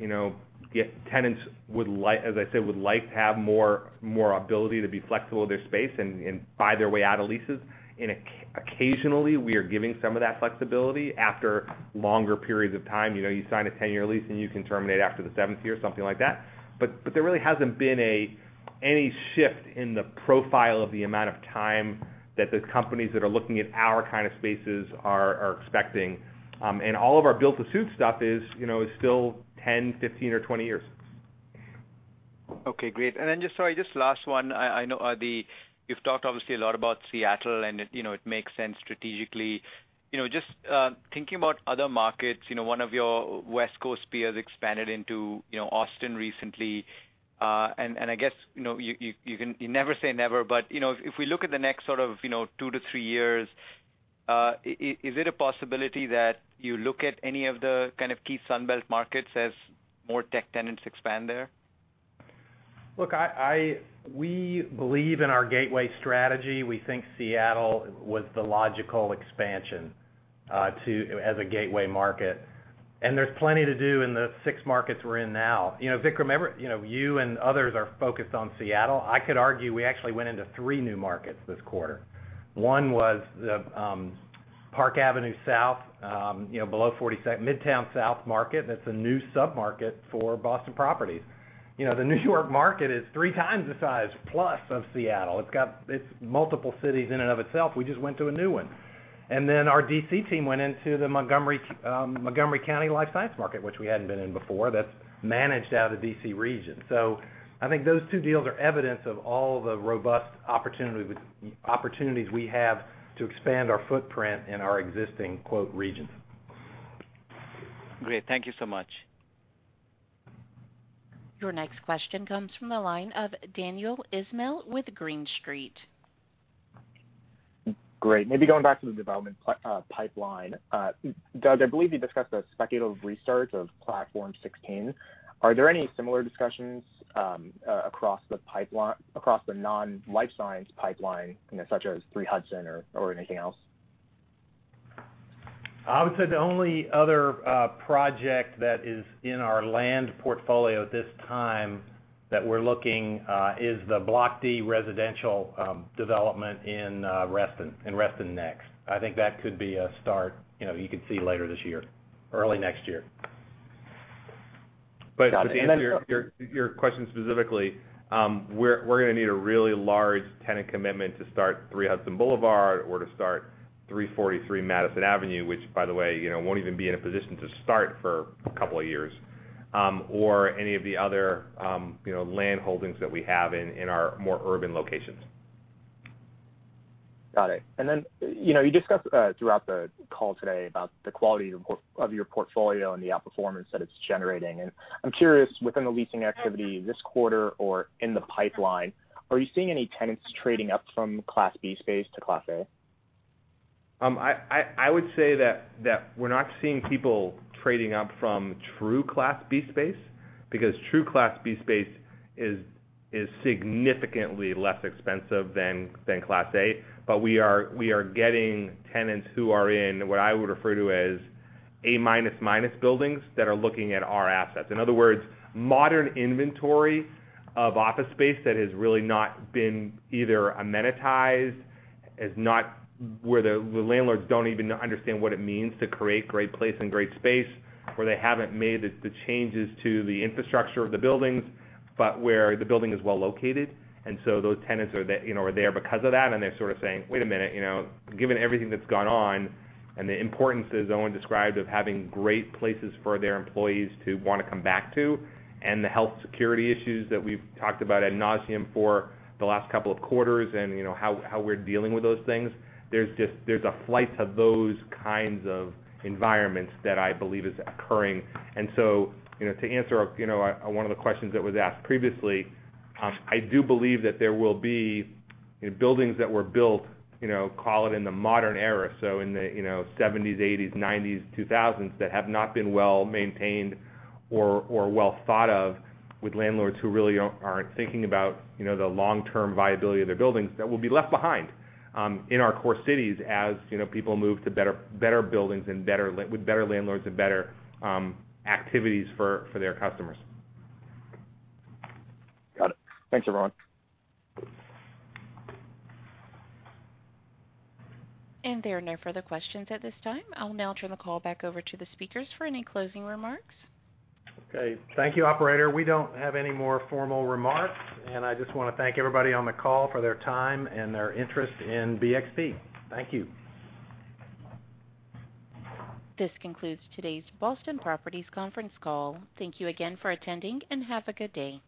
Speaker 4: if tenants, as I said, would like to have more ability to be flexible with their space and buy their way out of leases, and occasionally we are giving some of that flexibility after longer periods of time. You sign a 10-year lease, and you can terminate after the seventh year, something like that. There really hasn't been any shift in the profile of the amount of time that the companies that are looking at our kind of spaces are expecting. All of our built-to-suit stuff is still 10, 15, or 20 years.
Speaker 18: Okay, great. Sorry, just last one. You've talked obviously a lot about Seattle, it makes sense strategically. Just thinking about other markets, one of your West Coast peers expanded into Austin recently. I guess, you never say never, but if we look at the next sort of, two to three years, is it a possibility that you look at any of the kind of key sunbelt markets as more tech tenants expand there?
Speaker 3: Look, we believe in our gateway strategy. We think Seattle was the logical expansion as a gateway market. There's plenty to do in the six markets we're in now. Vikram, you and others are focused on Seattle. I could argue we actually went into three new markets this quarter. One was the Park Avenue South, below 42nd, Midtown South market. That's a new sub-market for Boston Properties. The New York market is three times the size plus of Seattle. It's multiple cities in and of itself. We just went to a new one. Our D.C. team went into the Montgomery County life science market, which we hadn't been in before. That's managed out of D.C. region. I think those two deals are evidence of all the robust opportunities we have to expand our footprint in our existing, quote, regions.
Speaker 18: Great. Thank you so much.
Speaker 1: Your next question comes from the line of Daniel Ismail with Green Street.
Speaker 19: Great. Maybe going back to the development pipeline. Doug, I believe you discussed a speculative restart of Platform 16. Are there any similar discussions across the non-life science pipeline, such as 3 Hudson or anything else?
Speaker 4: I would say the only other project that is in our land portfolio at this time that we're looking, is the Block D residential development in Reston Next. I think that could be a start you could see later this year, early next year. To answer your question specifically, we're going to need a really large tenant commitment to start 3 Hudson Boulevard or to start 343 Madison Avenue, which by the way, won't even be in a position to start for a couple of years. Any of the other land holdings that we have in our more urban locations.
Speaker 19: Got it. You discussed throughout the call today about the quality of your portfolio and the outperformance that it's generating. I'm curious, within the leasing activity this quarter or in the pipeline, are you seeing any tenants trading up from Class B space to Class A?
Speaker 4: I would say that we're not seeing people trading up from true Class B space, because true Class B space is significantly less expensive than Class A. We are getting tenants who are in, what I would refer to as A-minus-minus buildings that are looking at our assets. In other words, modern inventory of office space that has really not been either amenitized, where the landlords don't even understand what it means to create great place and great space, or they haven't made the changes to the infrastructure of the buildings, but where the building is well-located. Those tenants are there because of that, and they're sort of saying, "Wait a minute." Given everything that's gone on and the importance that Owen described of having great places for their employees to want to come back to, and the health security issues that we've talked about ad nauseam for the last couple quarters and how we're dealing with those things, there's a flight to those kinds of environments that I believe is occurring. To answer one of the questions that was asked previously, I do believe that there will be buildings that were built, call it in the modern era, so in the '70s, '80s, '90s, 2000s, that have not been well-maintained or well-thought of with landlords who really aren't thinking about the long-term viability of their buildings that will be left behind in our core cities as people move to better buildings with better landlords and better activities for their customers.
Speaker 19: Got it. Thanks, everyone.
Speaker 1: There are no further questions at this time. I'll now turn the call back over to the speakers for any closing remarks.
Speaker 3: Okay. Thank you, operator. We don't have any more formal remarks, and I just want to thank everybody on the call for their time and their interest in BXP. Thank you.
Speaker 1: This concludes today's Boston Properties conference call. Thank you again for attending, and have a good day.